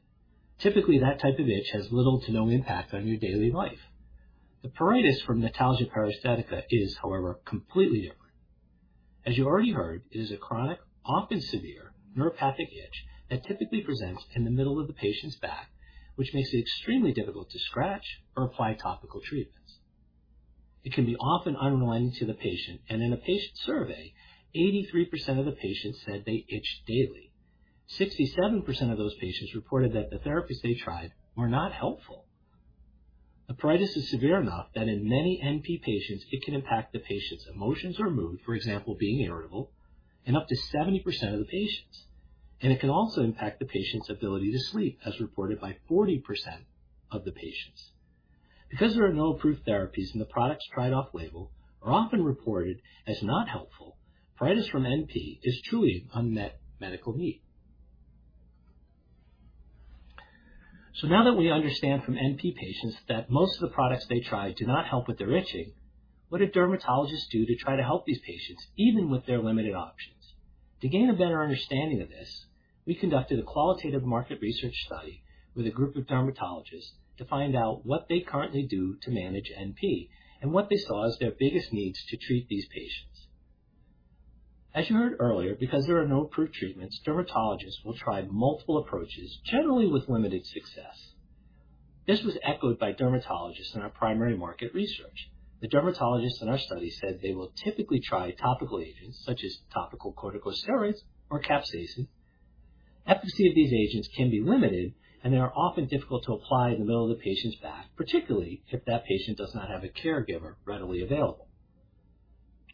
Typically, that type of itch has little to no impact on your daily life. The pruritus from notalgia paresthetica is, however, completely different. As you already heard, it is a chronic, often severe neuropathic itch that typically presents in the middle of the patient's back, which makes it extremely difficult to scratch or apply topical treatments. It can be often unrelenting to the patient, and in a patient survey, 83% of the patients said they itch daily. 67% of those patients reported that the therapies they tried were not helpful. The pruritus is severe enough that in many NP patients it can impact the patient's emotions or mood, for example, being irritable in up to 70% of the patients. It can also impact the patient's ability to sleep, as reported by 40% of the patients. Because there are no approved therapies and the products tried off-label are often reported as not helpful, pruritus from NP is truly unmet medical need. Now that we understand from NP patients that most of the products they try do not help with their itching, what did dermatologists do to try to help these patients, even with their limited options? To gain a better understanding of this, we conducted a qualitative market research study with a group of dermatologists to find out what they currently do to manage NP and what they saw as their biggest needs to treat these patients. As you heard earlier, because there are no approved treatments, dermatologists will try multiple approaches, generally with limited success. This was echoed by dermatologists in our primary market research. The dermatologists in our study said they will typically try topical agents such as topical corticosteroids or capsaicin. Efficacy of these agents can be limited, and they are often difficult to apply in the middle of the patient's back, particularly if that patient does not have a caregiver readily available.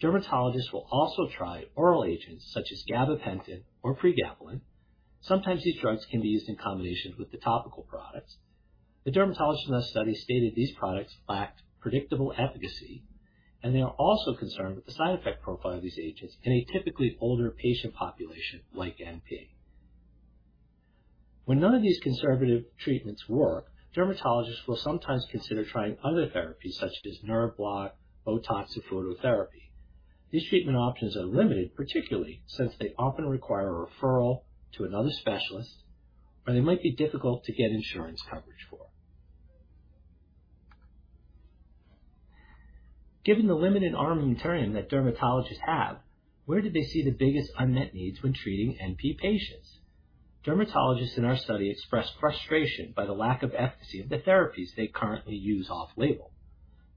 Dermatologists will also try oral agents such as gabapentin or pregabalin. Sometimes these drugs can be used in combination with the topical products. The dermatologists in that study stated these products lacked predictable efficacy, and they are also concerned with the side effect profile of these agents in a typically older patient population like NP. When none of these conservative treatments work, dermatologists will sometimes consider trying other therapies such as nerve block, BOTOX, or phototherapy. These treatment options are limited, particularly since they often require a referral to another specialist, or they might be difficult to get insurance coverage for. Given the limited armamentarium that dermatologists have, where do they see the biggest unmet needs when treating NP patients? Dermatologists in our study expressed frustration by the lack of efficacy of the therapies they currently use off-label.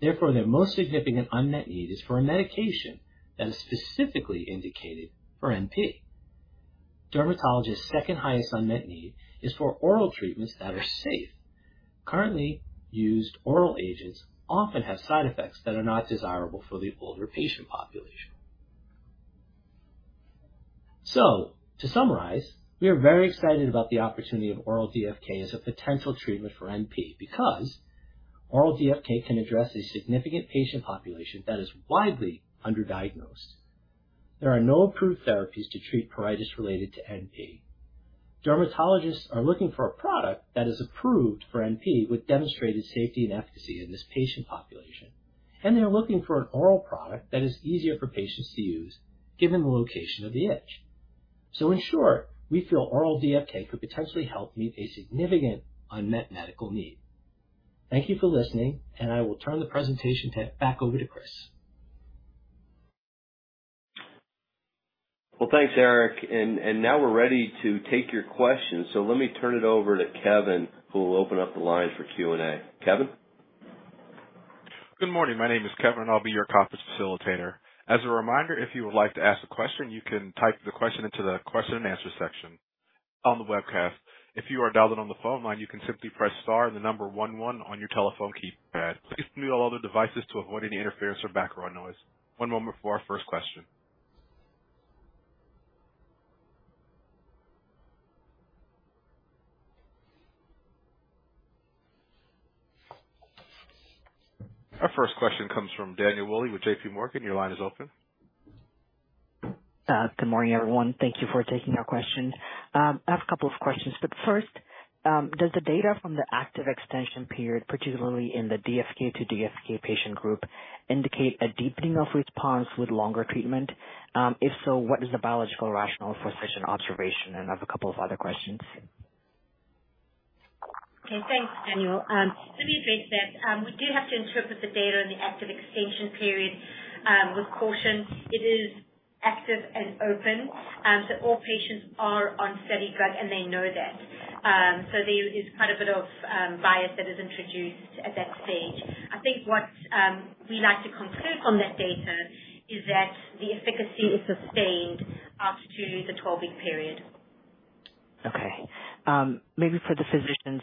Therefore, their most significant unmet need is for a medication that is specifically indicated for NP. Dermatologists second highest unmet need is for oral treatments that are safe. Currently used oral agents often have side effects that are not desirable for the older patient population. To summarize, we are very excited about the opportunity of oral DFK as a potential treatment for NP because oral DFK can address a significant patient population that is widely underdiagnosed. There are no approved therapies to treat pruritus related to NP. Dermatologists are looking for a product that is approved for NP with demonstrated safety and efficacy in this patient population, and they are looking for an oral product that is easier for patients to use, given the location of the itch. In short, we feel oral DFK could potentially help meet a significant unmet medical need. Thank you for listening, and I will turn the presentation back over to Chris. Well, thanks, Eric, and now we're ready to take your questions. Let me turn it over to Kevin, who will open up the line for Q&A. Kevin? Good morning. My name is Kevin. I'll be your conference facilitator. As a reminder, if you would like to ask a question, you can type the question into the question and answer section on the webcast. If you are dialed in on the phone line, you can simply press star and the number one one on your telephone keypad. Please mute all other devices to avoid any interference or background noise. One moment before our first question. Our first question comes from Daniel Wolle with JPMorgan. Your line is open. Good morning, everyone. Thank you for taking our question. I have a couple of questions. First, does the data from the active extension period, particularly in the DFK to DFK patient group, indicate a deepening of response with longer treatment? If so, what is the biological rationale for such an observation? I have a couple of other questions. Okay, thanks, Daniel. Let me address that. We do have to interpret the data in the active extension period with caution. It is active and open, so all patients are on steady drug, and they know that. There is quite a bit of bias that is introduced at that stage. I think what we like to conclude from that data is that the efficacy is sustained up to the 12-week period. Okay. Maybe for the physicians,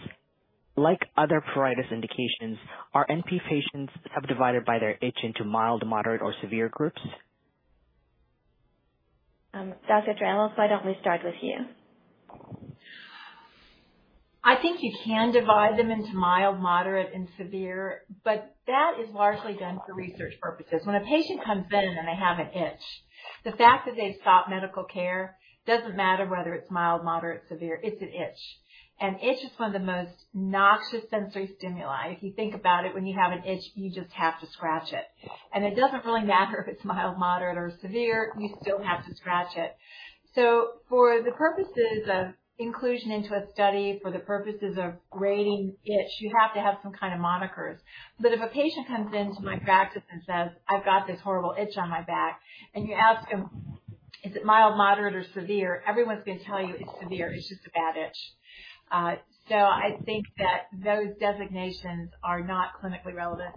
like other pruritus indications, are NP patients subdivided by their itch into mild, moderate, or severe groups? Dr. Draelos, why don't we start with you? I think you can divide them into mild, moderate, and severe, but that is largely done for research purposes. When a patient comes in and they have an itch, the fact that they've sought medical care doesn't matter whether it's mild, moderate, severe, it's an itch. An itch is one of the most noxious sensory stimuli. If you think about it, when you have an itch, you just have to scratch it. It doesn't really matter if it's mild, moderate, or severe, you still have to scratch it. For the purposes of inclusion into a study, for the purposes of grading itch, you have to have some kind of monikers. If a patient comes into my practice and says, "I've got this horrible itch on my back," and you ask them, "Is it mild, moderate, or severe?" Everyone's gonna tell you it's severe. It's just a bad itch. I think that those designations are not clinically relevant.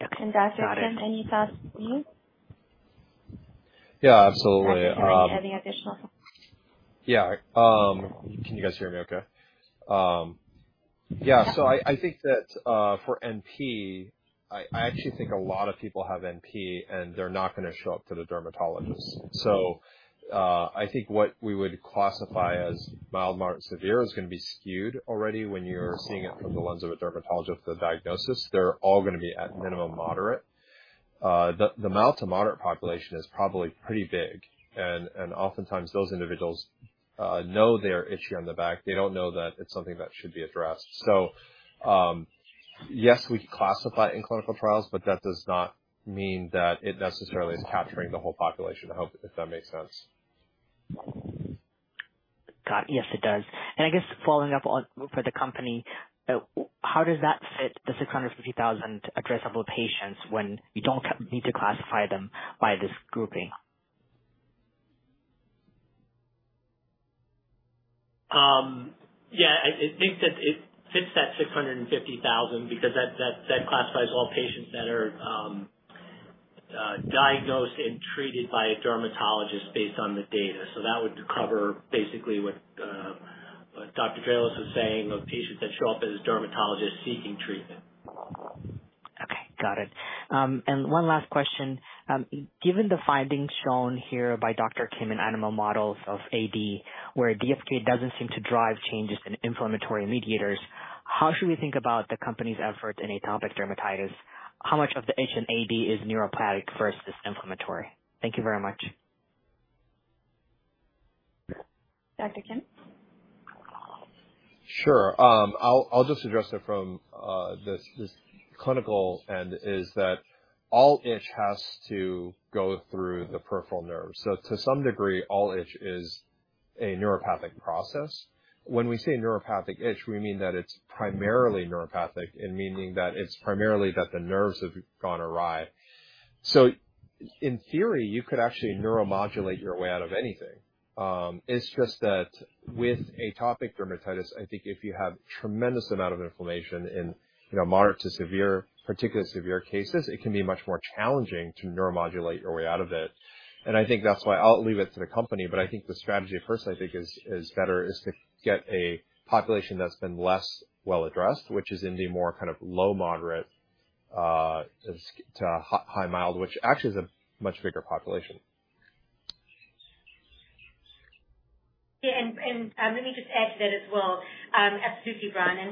Got it. Dr. Kim, any thoughts from you? Yeah, absolutely. Dr. Kim, any additional thoughts? Yeah. Can you guys hear me okay? Yeah. Yeah. I think that for NP, I actually think a lot of people have NP, and they're not gonna show up to the dermatologist. I think what we would classify as mild, moderate, severe is gonna be skewed already when you're seeing it from the lens of a dermatologist for diagnosis. They're all gonna be at minimum moderate. The mild to moderate population is probably pretty big, and oftentimes those individuals know they're itchy on the back. They don't know that it's something that should be addressed. Yes, we classify in clinical trials, but that does not mean that it necessarily is capturing the whole population. I hope if that makes sense. Got it. Yes, it does. I guess following up on for the company, how does that fit the 650,000 addressable patients when you don't need to classify them by this grouping? Yeah. It makes sense it fits that 650,000 because that classifies all patients that are diagnosed and treated by a dermatologist based on the data. That would cover basically what Dr. Draelos was saying of patients that show up to dermatologists seeking treatment. Okay. Got it. One last question. Given the findings shown here by Dr. Kim in animal models of AD, where DFK doesn't seem to drive changes in inflammatory mediators, how should we think about the company's efforts in atopic dermatitis? How much of the itch in AD is neuropathic versus inflammatory? Thank you very much. Dr. Kim? Sure. I'll just address it from this clinical end, that all itch has to go through the peripheral nerve. To some degree, all itch is a neuropathic process. When we say neuropathic itch, we mean that it's primarily neuropathic, and meaning that it's primarily that the nerves have gone awry. In theory, you could actually neuromodulate your way out of anything. It's just that with atopic dermatitis, I think if you have tremendous amount of inflammation in, you know, moderate to severe, particularly severe cases, it can be much more challenging to neuromodulate your way out of it. I think that's why I'll leave it to the company. I think the strategy at first, I think, is better to get a population that's been less well addressed, which is in the more kind of low moderate to high mild, which actually is a much bigger population. Yeah. Let me just add to that as well. Absolutely, Brian.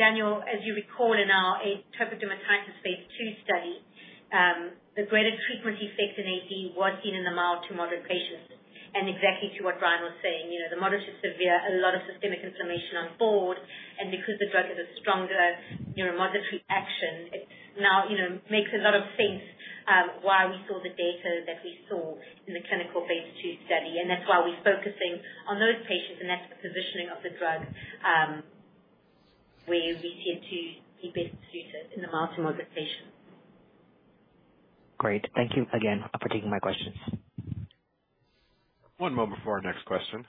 Daniel, as you recall in our atopic dermatitis phase II study, the greatest treatment effect in AD was seen in the mild to moderate patients. Exactly to what Brian was saying, you know, the moderate to severe, a lot of systemic inflammation on board. Because the drug has a stronger neuromodulatory action, it now, you know, makes a lot of sense, why we saw the data that we saw in the clinical phase II study. That's why we're focusing on those patients, and that's the positioning of the drug, where we seem to be best suited in the mild to moderate patients. Great. Thank you again for taking my questions. One moment before our next question.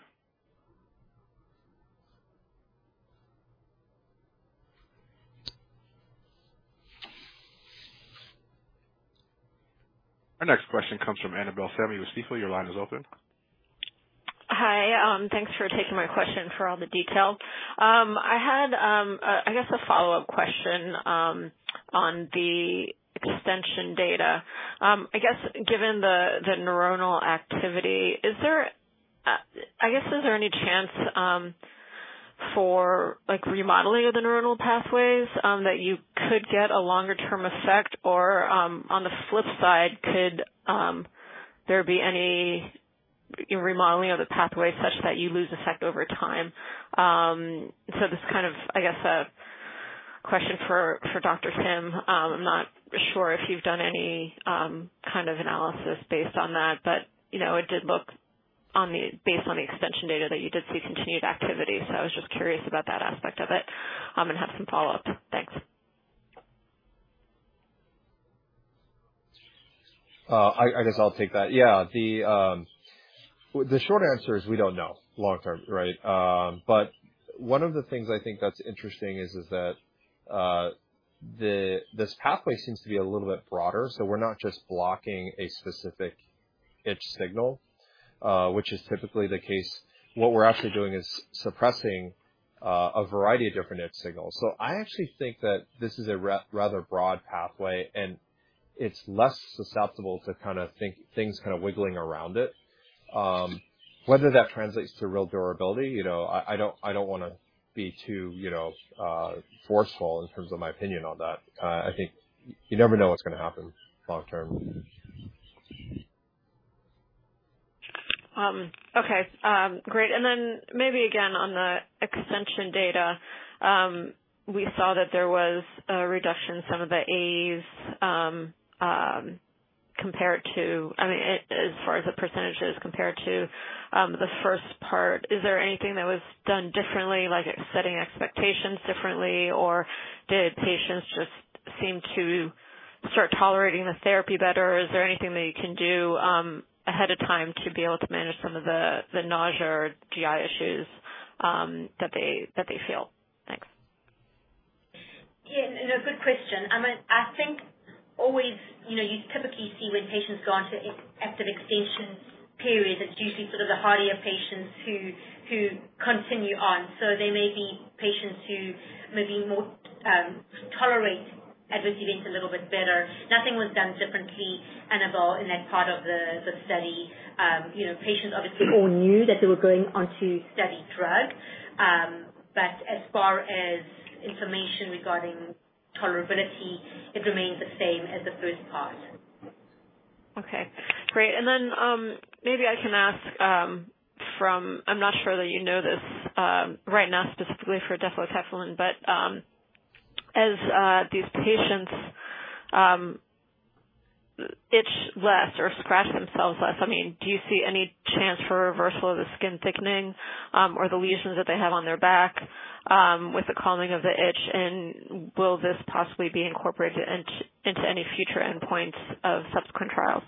Our next question comes from Annabel Samimy with Stifel. Your line is open. Hi. Thanks for taking my question and for all the detail. I guess a follow-up question on the extension data. I guess given the neuronal activity, is there any chance for like remodeling of the neuronal pathways that you could get a longer term effect? Or on the flip side, could there be any remodeling of the pathway such that you lose effect over time? This is kind of a question for Dr. Kim. I'm not sure if you've done any kind of analysis based on that, but you know, based on the extension data that you did see continued activity. I was just curious about that aspect of it and have some follow-up. Thanks. I guess I'll take that. Yeah. Well, the short answer is we don't know long-term, right? One of the things I think that's interesting is that this pathway seems to be a little bit broader. We're not just blocking a specific itch signal, which is typically the case. What we're actually doing is suppressing a variety of different itch signals. I actually think that this is a rather broad pathway, and it's less susceptible to kinda things kinda wiggling around it. Whether that translates to real durability, you know, I don't wanna be too, you know, forceful in terms of my opinion on that. I think you never know what's gonna happen long term. Maybe again, on the extension data, we saw that there was a reduction in some of the AEs, compared to, I mean, as far as the percentages compared to the first part. Is there anything that was done differently, like setting expectations differently, or did patients just seem to start tolerating the therapy better? Is there anything that you can do ahead of time to be able to manage some of the nausea or GI issues that they feel? Thanks. Yeah. No, good question. I think always, you know, you typically see when patients go on to active extension periods, it's usually sort of the hardier patients who continue on. They may be patients who maybe more tolerate adverse events a little bit better. Nothing was done differently, Annabel, in that part of the study. You know, patients obviously all knew that they were going onto study drug. As far as information regarding tolerability, it remains the same as the first part. Okay, great. Maybe I can ask. I'm not sure that you know this right now specifically for difelikefalin, but as these patients itch less or scratch themselves less, I mean, do you see any chance for reversal of the skin thickening or the lesions that they have on their back with the calming of the itch, and will this possibly be incorporated into any future endpoints of subsequent trials?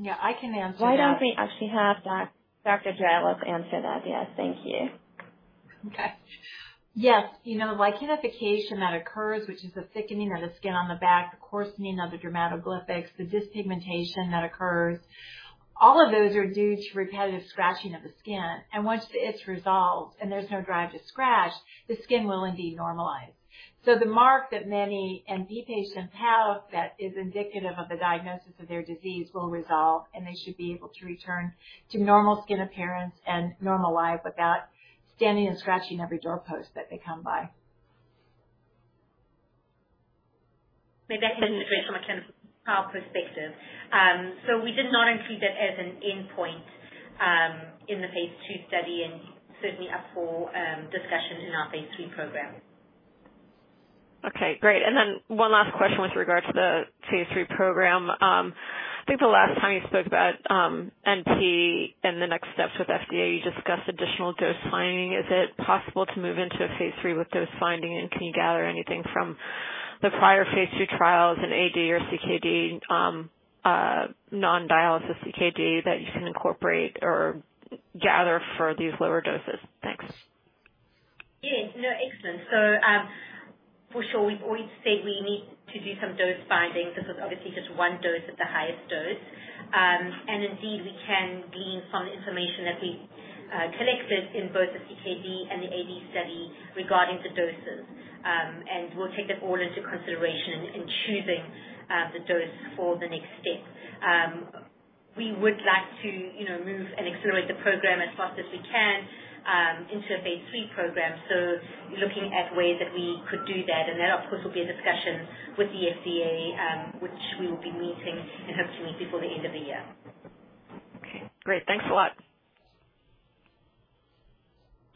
Yeah, I can answer that. Why don't we actually have Dr. Draelos answer that? Yes. Thank you. Okay. Yes. You know, lichenification that occurs, which is the thickening of the skin on the back, the coarsening of the dermatoglyphics, the dyspigmentation that occurs, all of those are due to repetitive scratching of the skin. Once the itch resolves and there's no drive to scratch, the skin will indeed normalize. The mark that many NP patients have that is indicative of the diagnosis of their disease will resolve, and they should be able to return to normal skin appearance and normal life without standing and scratching every door post that they come by. Maybe I can address from a kind of trial perspective. We did not include it as an endpoint in the phase II study and certainly up for discussion in our phase III program. Okay, great. One last question with regard to the phase III program. I think the last time you spoke about NP and the next steps with FDA, you discussed additional dose finding. Is it possible to move into a phase III with dose finding, and can you gather anything from the prior phase II trials in AD or CKD, non-dialysis CKD that you can incorporate or gather for these lower doses? Thanks. Yeah. No, excellent. For sure, we've always said we need to do some dose finding. This was obviously just one dose at the highest dose. Indeed we can glean some information that we collected in both the CKD and the AD study regarding the doses. We'll take that all into consideration in choosing the dose for the next step. We would like to, you know, move and accelerate the program as fast as we can into a phase III program. Looking at ways that we could do that, and that, of course, will be a discussion with the FDA, which we will be meeting and hope to meet before the end of the year. Okay, great. Thanks a lot.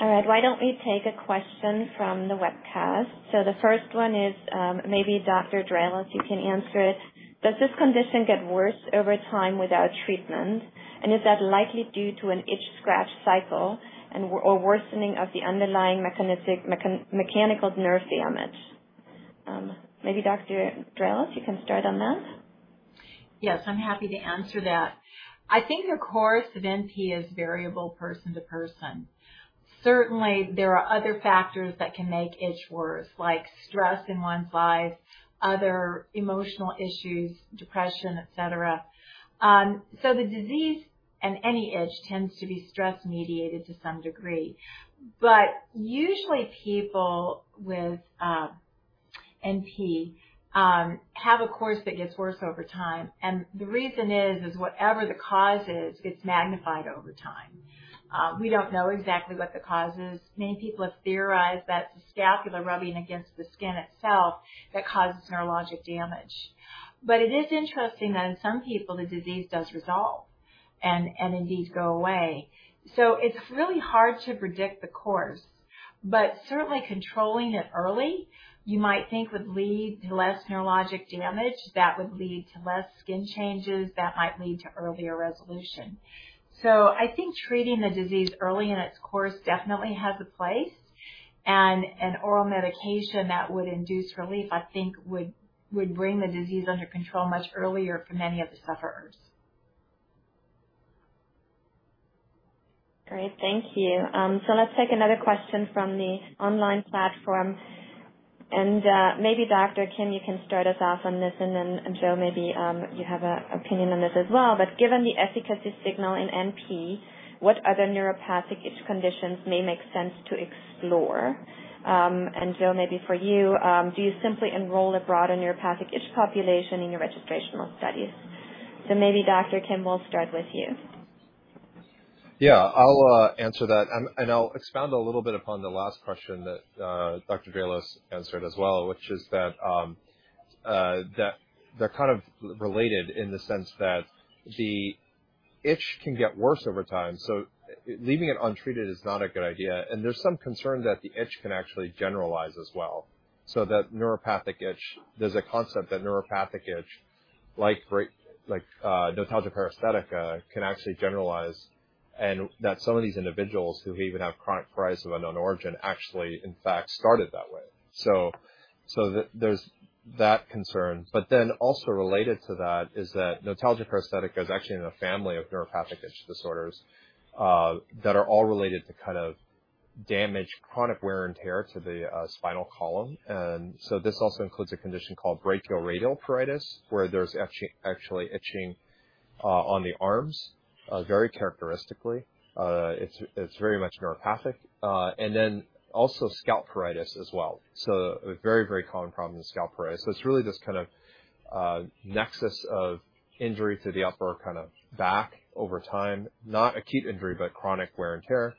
All right. Why don't we take a question from the webcast? The first one is, maybe, Dr. Draelos, you can answer it. Does this condition get worse over time without treatment? Is that likely due to an itch scratch cycle and/or worsening of the underlying mechanical nerve damage? Maybe Dr. Draelos, you can start on that. Yes, I'm happy to answer that. I think the course of NP is variable person to person. Certainly, there are other factors that can make itch worse, like stress in one's life, other emotional issues, depression, et cetera. So the disease and any itch tends to be stress-mediated to some degree. Usually, people with NP have a course that gets worse over time. The reason is whatever the cause is, it's magnified over time. We don't know exactly what the cause is. Many people have theorized that the scapula rubbing against the skin itself causes neurologic damage. It is interesting that in some people the disease does resolve and indeed go away. It's really hard to predict the course, but certainly controlling it early, you might think would lead to less neurologic damage that would lead to less skin changes that might lead to earlier resolution. I think treating the disease early in its course definitely has a place and an oral medication that would induce relief, I think would bring the disease under control much earlier for many of the sufferers. Great. Thank you. Let's take another question from the online platform. Maybe Dr. Kim, you can start us off on this, and then, Jo, maybe you have an opinion on this as well. Given the efficacy signal in NP, what other neuropathic itch conditions may make sense to explore? And Jo, maybe for you, do you simply enroll a broader neuropathic itch population in your registrational studies? Maybe Dr. Kim, we'll start with you. Yeah. I'll answer that, and I'll expound a little bit upon the last question that Dr. Draelos answered as well, which is that they're kind of related in the sense that the itch can get worse over time, so leaving it untreated is not a good idea. There's some concern that the itch can actually generalize as well. That neuropathic itch. There's a concept that neuropathic itch, like notalgia paresthetica, can actually generalize, and that some of these individuals who even have chronic pruritus of unknown origin actually, in fact, started that way. There's that concern. Then also related to that is that notalgia paresthetica is actually in a family of neuropathic itch disorders that are all related to kind of damage, chronic wear and tear to the spinal column. This also includes a condition called brachioradial pruritus, where there's actually itching on the arms very characteristically. It's very much neuropathic. Then also scalp pruritus as well. A very common problem is scalp pruritus. It's really this kind of nexus of injury to the upper kind of back over time, not acute injury, but chronic wear and tear,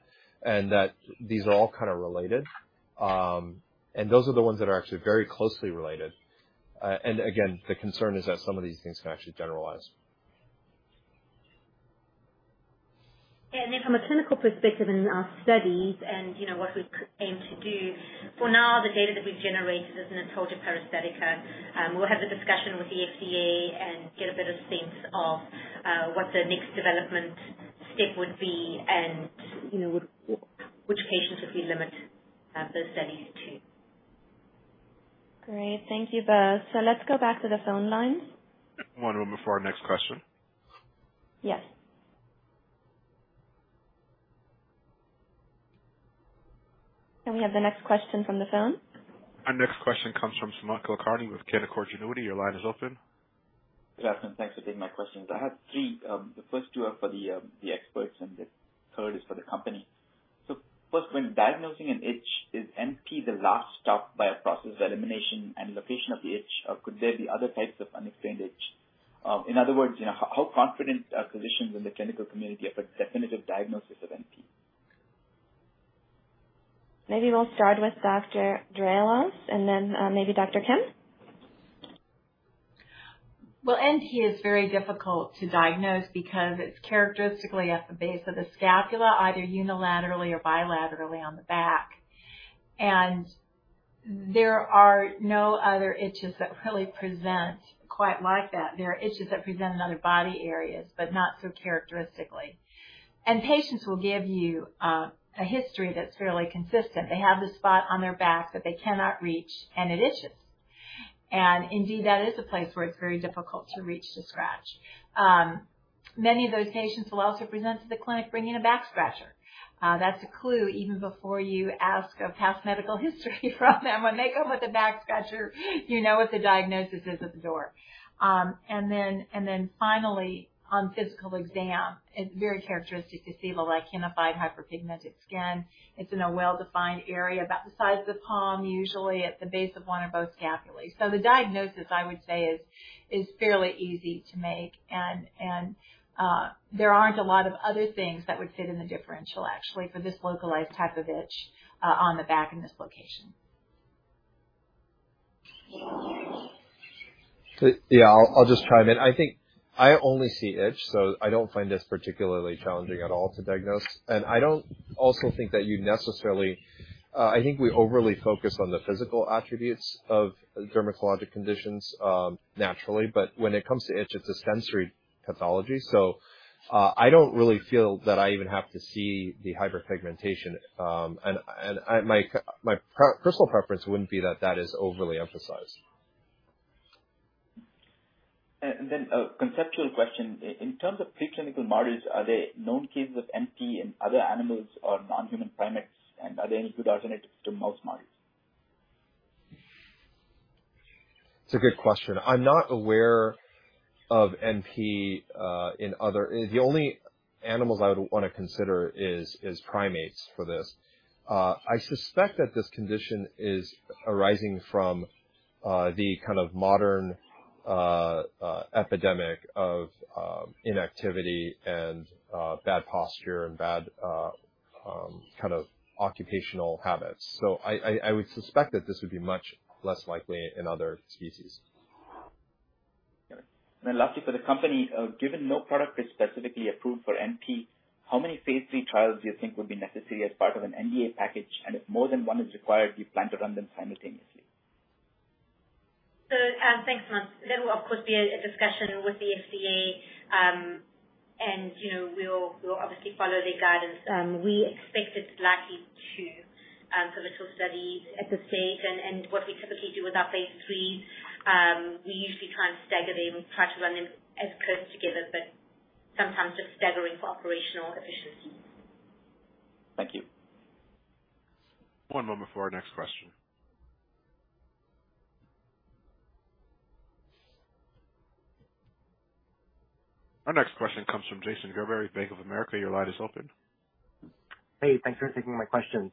and that these are all kind of related. Those are the ones that are actually very closely related. Again, the concern is that some of these things can actually generalize. From a clinical perspective in our studies and, you know, what we aim to do, for now, the data that we've generated is notalgia paresthetica. We'll have a discussion with the FDA and get a better sense of what the next development step would be and, you know, which patients would we limit those studies to. Great. Thank you both. Let's go back to the phone lines. One moment for our next question. Yes. We have the next question from the phone. Our next question comes from Sumant Kulkarni with Canaccord Genuity. Your line is open. Good afternoon. Thanks for taking my questions. I have three. The first two are for the experts, and the third is for the company. First, when diagnosing an itch, is NP the last stop by a process of elimination and location of the itch, or could there be other types of unexplained itch? In other words, you know, how confident are physicians in the clinical community of a definitive diagnosis of NP? Maybe we'll start with Dr. Draelos and then, maybe Dr. Kim. Well, NP is very difficult to diagnose because it's characteristically at the base of the scapula, either unilaterally or bilaterally on the back. There are no other itches that really present quite like that. There are itches that present in other body areas, but not so characteristically. Patients will give you a history that's fairly consistent. They have the spot on their back that they cannot reach, and it itches. Indeed, that is a place where it's very difficult to reach to scratch. Many of those patients will also present to the clinic bringing a back scratcher. That's a clue even before you ask a past medical history from them. When they come with a back scratcher, you know what the diagnosis is at the door. Finally, on physical exam, it's very characteristic to see the lichenified hyperpigmented skin. It's in a well-defined area about the size of the palm, usually at the base of one or both scapulae. The diagnosis, I would say, is fairly easy to make. There aren't a lot of other things that would fit in the differential, actually, for this localized type of itch on the back in this location. Yeah. I'll just chime in. I think I only see itch, so I don't find this particularly challenging at all to diagnose. I think we overly focus on the physical attributes of dermatologic conditions, naturally. When it comes to itch, it's a sensory pathology, so I don't really feel that I even have to see the hyperpigmentation. My personal preference wouldn't be that that is overly emphasized. A conceptual question. In terms of preclinical models, are there known cases of NP in other animals or non-human primates? Are they any good alternatives to mouse models? It's a good question. I'm not aware of NP. The only animals I would wanna consider is primates for this. I suspect that this condition is arising from the kind of modern epidemic of inactivity and bad posture and bad kind of occupational habits. I would suspect that this would be much less likely in other species. Got it. Lastly, for the company, given no product is specifically approved for NP, how many phase III trials do you think would be necessary as part of an NDA package? If more than one is required, do you plan to run them simultaneously? Thanks, Sumant. There will, of course, be a discussion with the FDA, and, you know, we'll obviously follow their guidance. We expect it likely to. Study at this stage and what we typically do with our phase III, we usually try and stagger them, try to run them as close together, but sometimes just staggering for operational efficiency. Thank you. One moment for our next question. Our next question comes from Jason Gerberry, Bank of America. Your line is open. Hey, thanks for taking my questions.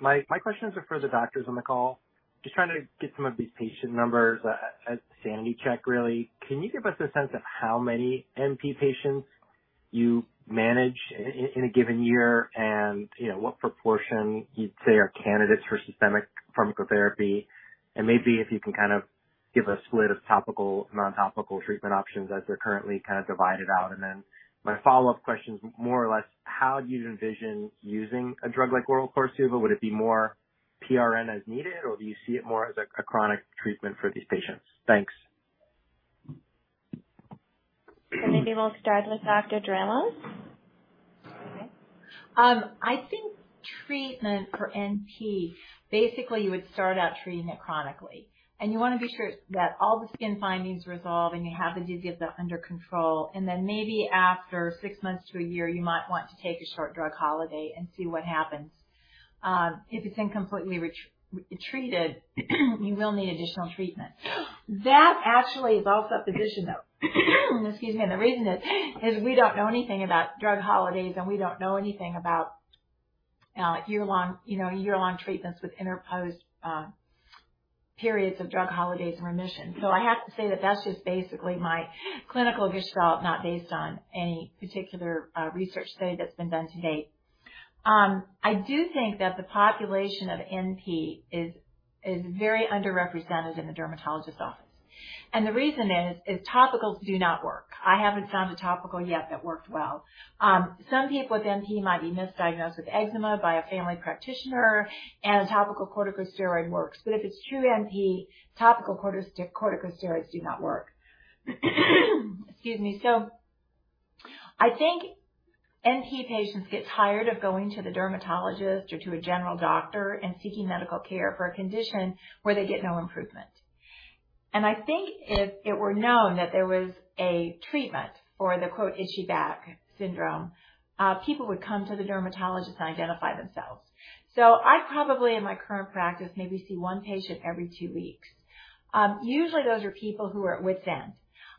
My questions are for the doctors on the call. Just trying to get some of these patient numbers, a sanity check, really. Can you give us a sense of how many NP patients you manage in a given year? You know, what proportion you'd say are candidates for systemic pharmacotherapy? Maybe if you can kind of give a split of topical, non-topical treatment options as they're currently kind of divided out. My follow-up question is more or less how you envision using a drug like oral KORSUVA. Would it be more PRN as needed, or do you see it more as a chronic treatment for these patients? Thanks. Maybe we'll start with Dr. Draelos. I think treatment for NP, basically, you would start out treating it chronically, and you wanna be sure that all the skin findings resolve and you have the disease under control. Then maybe after six months to a year, you might want to take a short drug holiday and see what happens. If it's incompletely re-treated, you will need additional treatment. That actually is also a position, though. Excuse me. The reason is we don't know anything about drug holidays, and we don't know anything about year-long treatments with interposed periods of drug holidays and remission. I have to say that that's just basically my clinical gestalt, not based on any particular research study that's been done to date. I do think that the population of NP is very underrepresented in the dermatologist's office, and the reason is topicals do not work. I haven't found a topical yet that works well. Some people with NP might be misdiagnosed with eczema by a family practitioner, and a topical corticosteroid works, but if it's true NP, topical corticosteroids do not work. I think NP patients get tired of going to the dermatologist or to a general doctor and seeking medical care for a condition where they get no improvement. I think if it were known that there was a treatment for the, quote, "itchy back syndrome," people would come to the dermatologist and identify themselves. I probably, in my current practice, maybe see one patient every two weeks. Usually those are people who are at wits' end.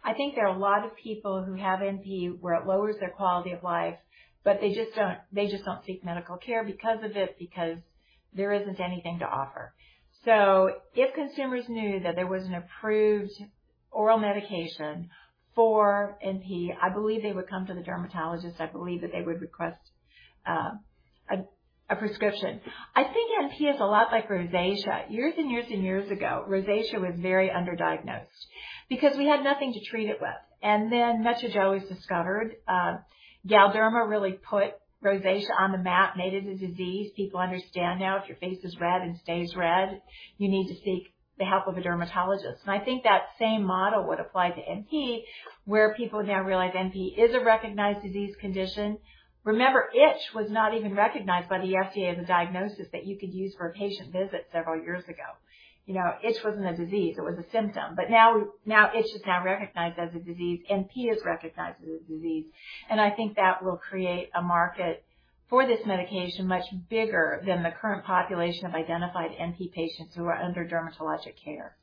I think there are a lot of people who have NP where it lowers their quality of life, but they just don't seek medical care because of it, because there isn't anything to offer. If consumers knew that there was an approved oral medication for NP, I believe they would come to the dermatologist. I believe that they would request a prescription. I think NP is a lot like rosacea. Years and years and years ago, rosacea was very underdiagnosed because we had nothing to treat it with. Then MetroGel was discovered. Galderma really put rosacea on the map, made it a disease. People understand now if your face is red and stays red, you need to seek the help of a dermatologist. I think that same model would apply to NP, where people now realize NP is a recognized disease condition. Remember, itch was not even recognized by the FDA as a diagnosis that you could use for a patient visit several years ago. You know, itch wasn't a disease, it was a symptom. Now itch is now recognized as a disease. NP is recognized as a disease. I think that will create a market for this medication much bigger than the current population of identified NP patients who are under dermatologic care.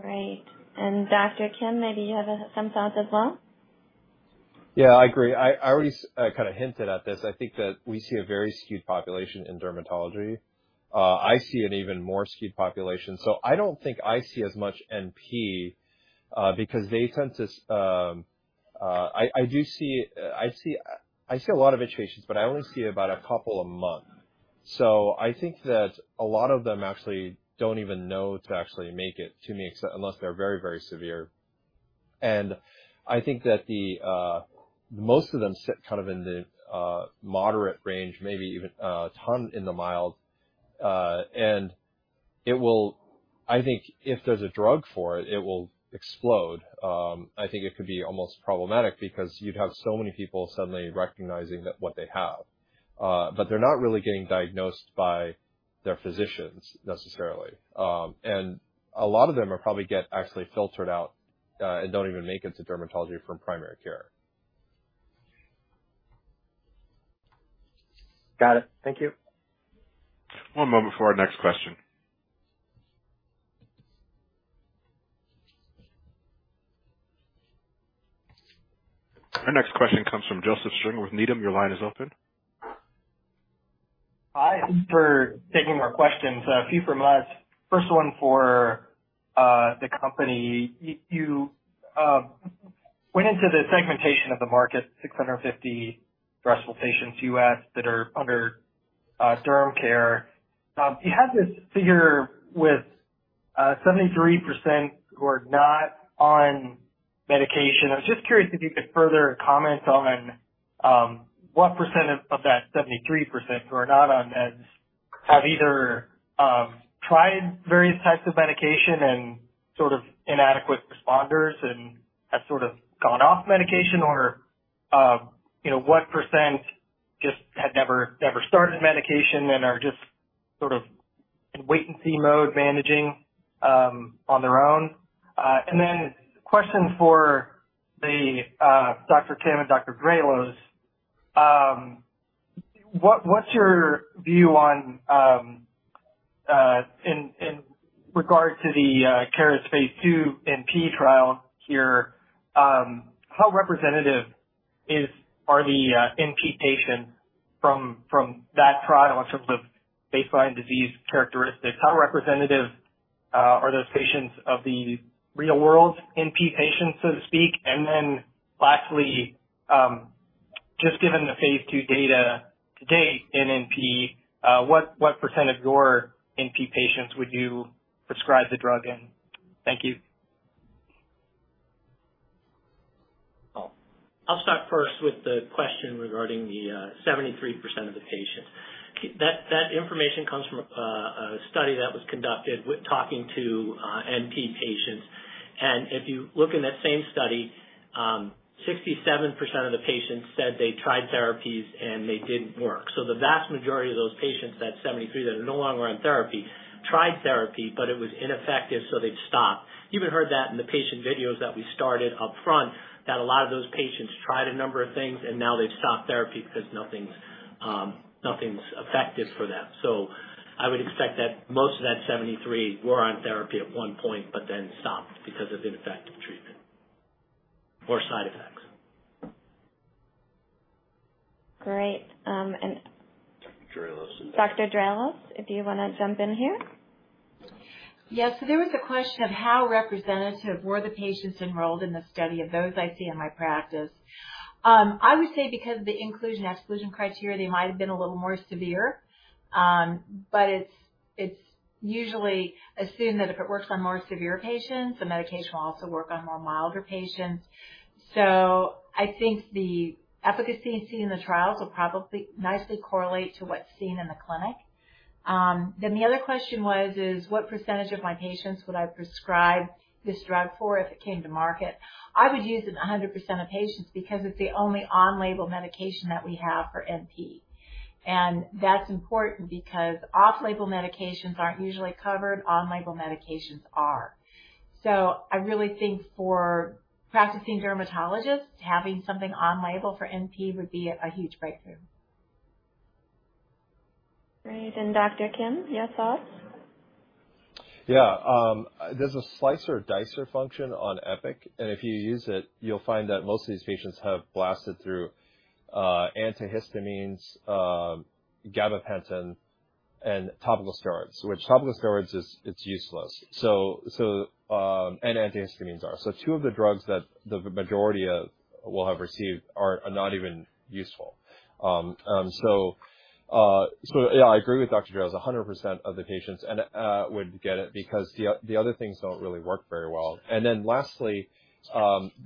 Great. Dr. Kim, maybe you have some thoughts as well. Yeah, I agree. I already kinda hinted at this. I think that we see a very skewed population in dermatology. I see an even more skewed population. I don't think I see as much NP because they tend to I do see a lot of itch patients, but I only see about a couple a month. I think that a lot of them actually don't even know to actually make it to me unless they're very, very severe. I think that most of them sit kind of in the moderate range, maybe even a ton in the mild. I think if there's a drug for it will explode. I think it could be almost problematic because you'd have so many people suddenly recognizing that what they have. They're not really getting diagnosed by their physicians necessarily. A lot of them are probably getting actually filtered out and don't even make it to dermatology from primary care. Got it. Thank you. One moment for our next question. Our next question comes from Joseph Stringer with Needham. Your line is open. Hi. Thanks for taking my questions. A few from us. First one for the company. You went into the segmentation of the market, 650 threshold patients, U.S., that are under Dermcare. You had this figure with 73% who are not on medication. I was just curious if you could further comment on what percent of that 73% who are not on meds have either tried various types of medication and sort of inadequate responders and have sort of gone off medication or, you know, what percent just had never started medication and are just sort of in wait and see mode managing on their own. Then question for Dr. Kim and Dr. Draelos. What's your view on in regards to the Cara's phase II NP trial here, how representative are the NP patients from that trial in terms of baseline disease characteristics? How representative are those patients of the real world NP patients, so to speak? Lastly, just given the phase II data to date in NP, what percent of your NP patients would you prescribe the drug in? Thank you. I'll start first with the question regarding the 73% of the patients. That information comes from a study that was conducted with talking to NP patients. If you look in that same study, 67% of the patients said they tried therapies and they didn't work. The vast majority of those patients, that 73% that are no longer on therapy, tried therapy, but it was ineffective, so they've stopped. You even heard that in the patient videos that we started up front, that a lot of those patients tried a number of things and now they've stopped therapy because nothing's effective for them. I would expect that most of that 73% were on therapy at one point, but then stopped because of ineffective treatment or side effects. Great. Draelos Dr. Draelos, if you wanna jump in here. Yes. There was a question of how representative were the patients enrolled in the study of those I see in my practice. I would say because of the inclusion/exclusion criteria, they might have been a little more severe. It's usually assumed that if it works on more severe patients, the medication will also work on more milder patients. I think the efficacy seen in the trials will probably nicely correlate to what's seen in the clinic. The other question was, is what percentage of my patients would I prescribe this drug for if it came to market? I would use it 100% of patients because it's the only on-label medication that we have for NP. That's important because off-label medications aren't usually covered, on-label medications are. I really think for practicing dermatologists, having something on label for NP would be a huge breakthrough. Great. Dr. Kim, your thoughts? Yeah. There's a SlicerDicer function on Epic, and if you use it, you'll find that most of these patients have blasted through antihistamines, gabapentin and topical steroids, which topical steroids are useless. Antihistamines are useless. Two of the drugs that the majority of will have received are not even useful. Yeah, I agree with Dr. Draelos. 100% of the patients would get it because the other things don't really work very well. Lastly,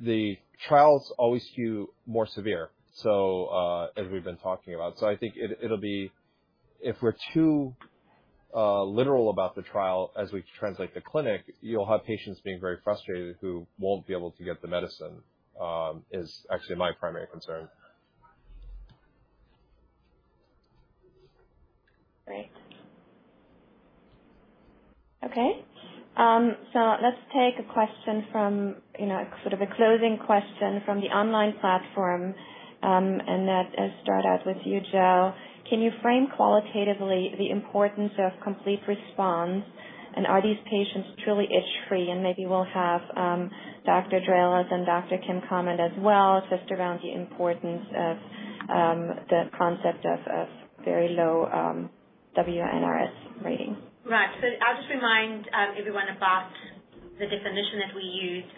the trials always skew more severe, as we've been talking about. I think it'll be if we're too literal about the trial as we translate to the clinic, you'll have patients being very frustrated who won't be able to get the medicine is actually my primary concern. Great. Okay. Let's take a question from, you know, sort of a closing question from the online platform, and that is start out with you, Jo. Can you frame qualitatively the importance of complete response? And are these patients truly itch-free? And maybe we'll have, Dr. Draelos and Dr. Kim comment as well, just around the importance of the concept of very low WI-NRS rating. Right. I'll just remind everyone about the definition that we used.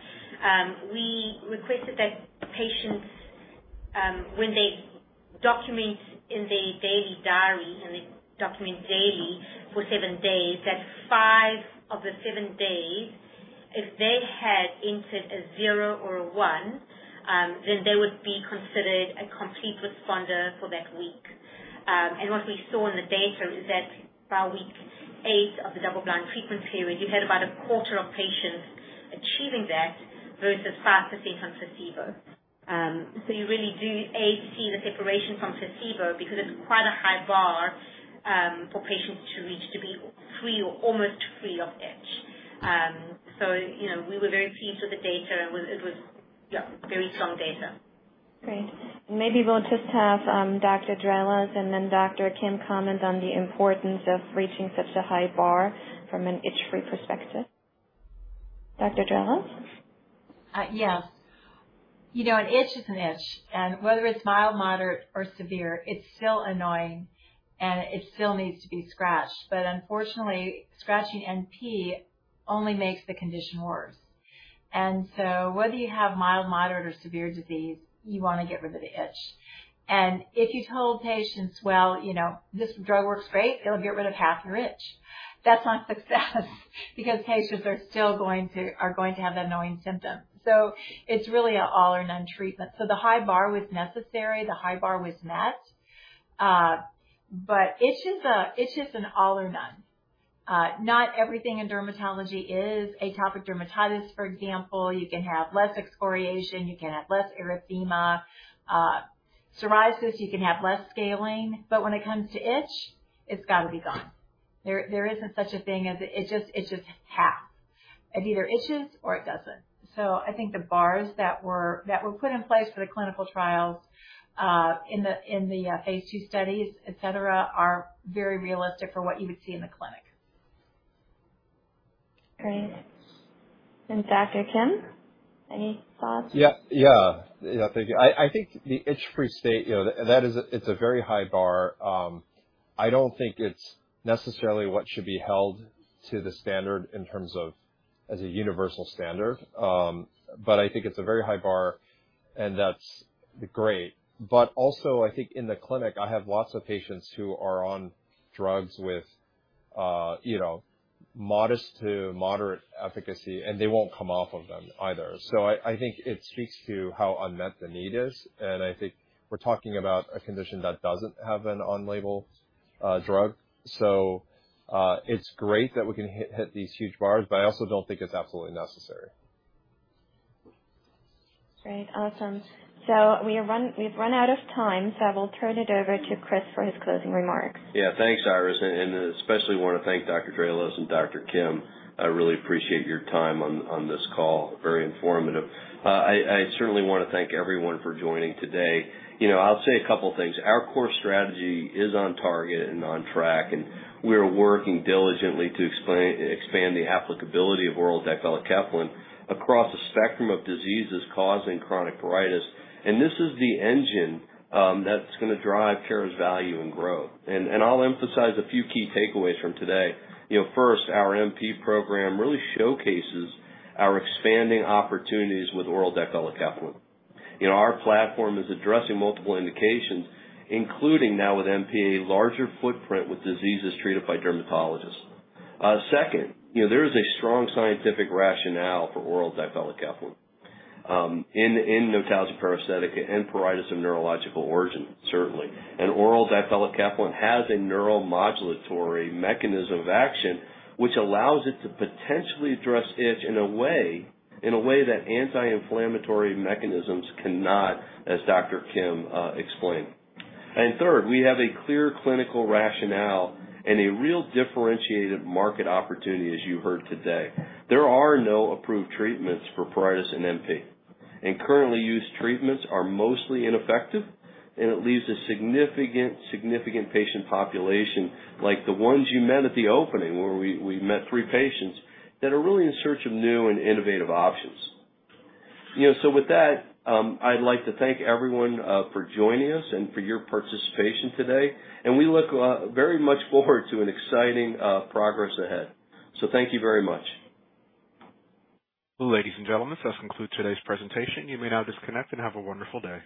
We requested that patients, when they document in their daily diary, and they document daily for seven days, that five of the seven days, if they had entered a zero or one, then they would be considered a complete responder for that week. What we saw in the data is that by week eight of the double-blind treatment period, you had about a quarter of patients achieving that versus 5% on placebo. You really do see the separation from placebo because it's quite a high bar for patients to reach to be free or almost free of itch. You know, we were very pleased with the data and it was, yeah, very strong data. Great. Maybe we'll just have, Dr. Draelos and then Dr. Kim comment on the importance of reaching such a high bar from an itch-free perspective. Dr. Draelos? Yes. You know, an itch is an itch, and whether it's mild, moderate or severe, it's still annoying and it still needs to be scratched. Unfortunately, scratching NP only makes the condition worse. Whether you have mild, moderate or severe disease, you wanna get rid of the itch. If you told patients, "Well, you know, this drug works great, it'll get rid of half of your itch," that's not success because patients are still going to have that annoying symptom. It's really an all or none treatment. The high bar was necessary, the high bar was met. Itch is an all or none. Not everything in dermatology is atopic dermatitis, for example. You can have less excoriation, you can have less erythema. Psoriasis, you can have less scaling, but when it comes to itch, it's gotta be gone. There isn't such a thing as it's just half. It either itches or it doesn't. I think the bars that were put in place for the clinical trials in the phase II studies, et cetera, are very realistic for what you would see in the clinic. Great. Dr. Kim, any thoughts? Yeah, thank you. I think the itch-free state, you know, it's a very high bar. I don't think it's necessarily what should be held to the standard in terms of as a universal standard. I think it's a very high bar, and that's great. I think in the clinic, I have lots of patients who are on drugs with, you know, modest to moderate efficacy, and they won't come off of them either. I think it speaks to how unmet the need is, and I think we're talking about a condition that doesn't have an on-label drug. It's great that we can hit these huge bars, but I also don't think it's absolutely necessary. Great. Awesome. We've run out of time, so I will turn it over to Chris for his closing remarks. Yeah. Thanks, Iris, and especially wanna thank Dr. Draelos and Dr. Kim. I really appreciate your time on this call. Very informative. I certainly wanna thank everyone for joining today. You know, I'll say a couple things. Our core strategy is on target and on track, and we are working diligently to expand the applicability of oral difelikefalin across a spectrum of diseases causing chronic pruritus. This is the engine that's gonna drive Cara's value and growth. I'll emphasize a few key takeaways from today. You know, first, our NP program really showcases our expanding opportunities with oral difelikefalin. You know, our platform is addressing multiple indications, including now with NP, a larger footprint with diseases treated by dermatologists. Second, you know, there is a strong scientific rationale for oral difelikefalin in notalgia paresthetica and pruritus of neurological origin, certainly. Oral difelikefalin has a neuromodulatory mechanism of action, which allows it to potentially address itch in a way that anti-inflammatory mechanisms cannot, as Dr. Kim explained. Third, we have a clear clinical rationale and a real differentiated market opportunity, as you heard today. There are no approved treatments for pruritus and NP. Currently used treatments are mostly ineffective, and it leaves a significant patient population, like the ones you met at the opening, where we met three patients that are really in search of new and innovative options. With that, I'd like to thank everyone for joining us and for your participation today. We look very much forward to an exciting progress ahead. Thank you very much. Ladies and gentlemen, this concludes today's presentation. You may now disconnect and have a wonderful day.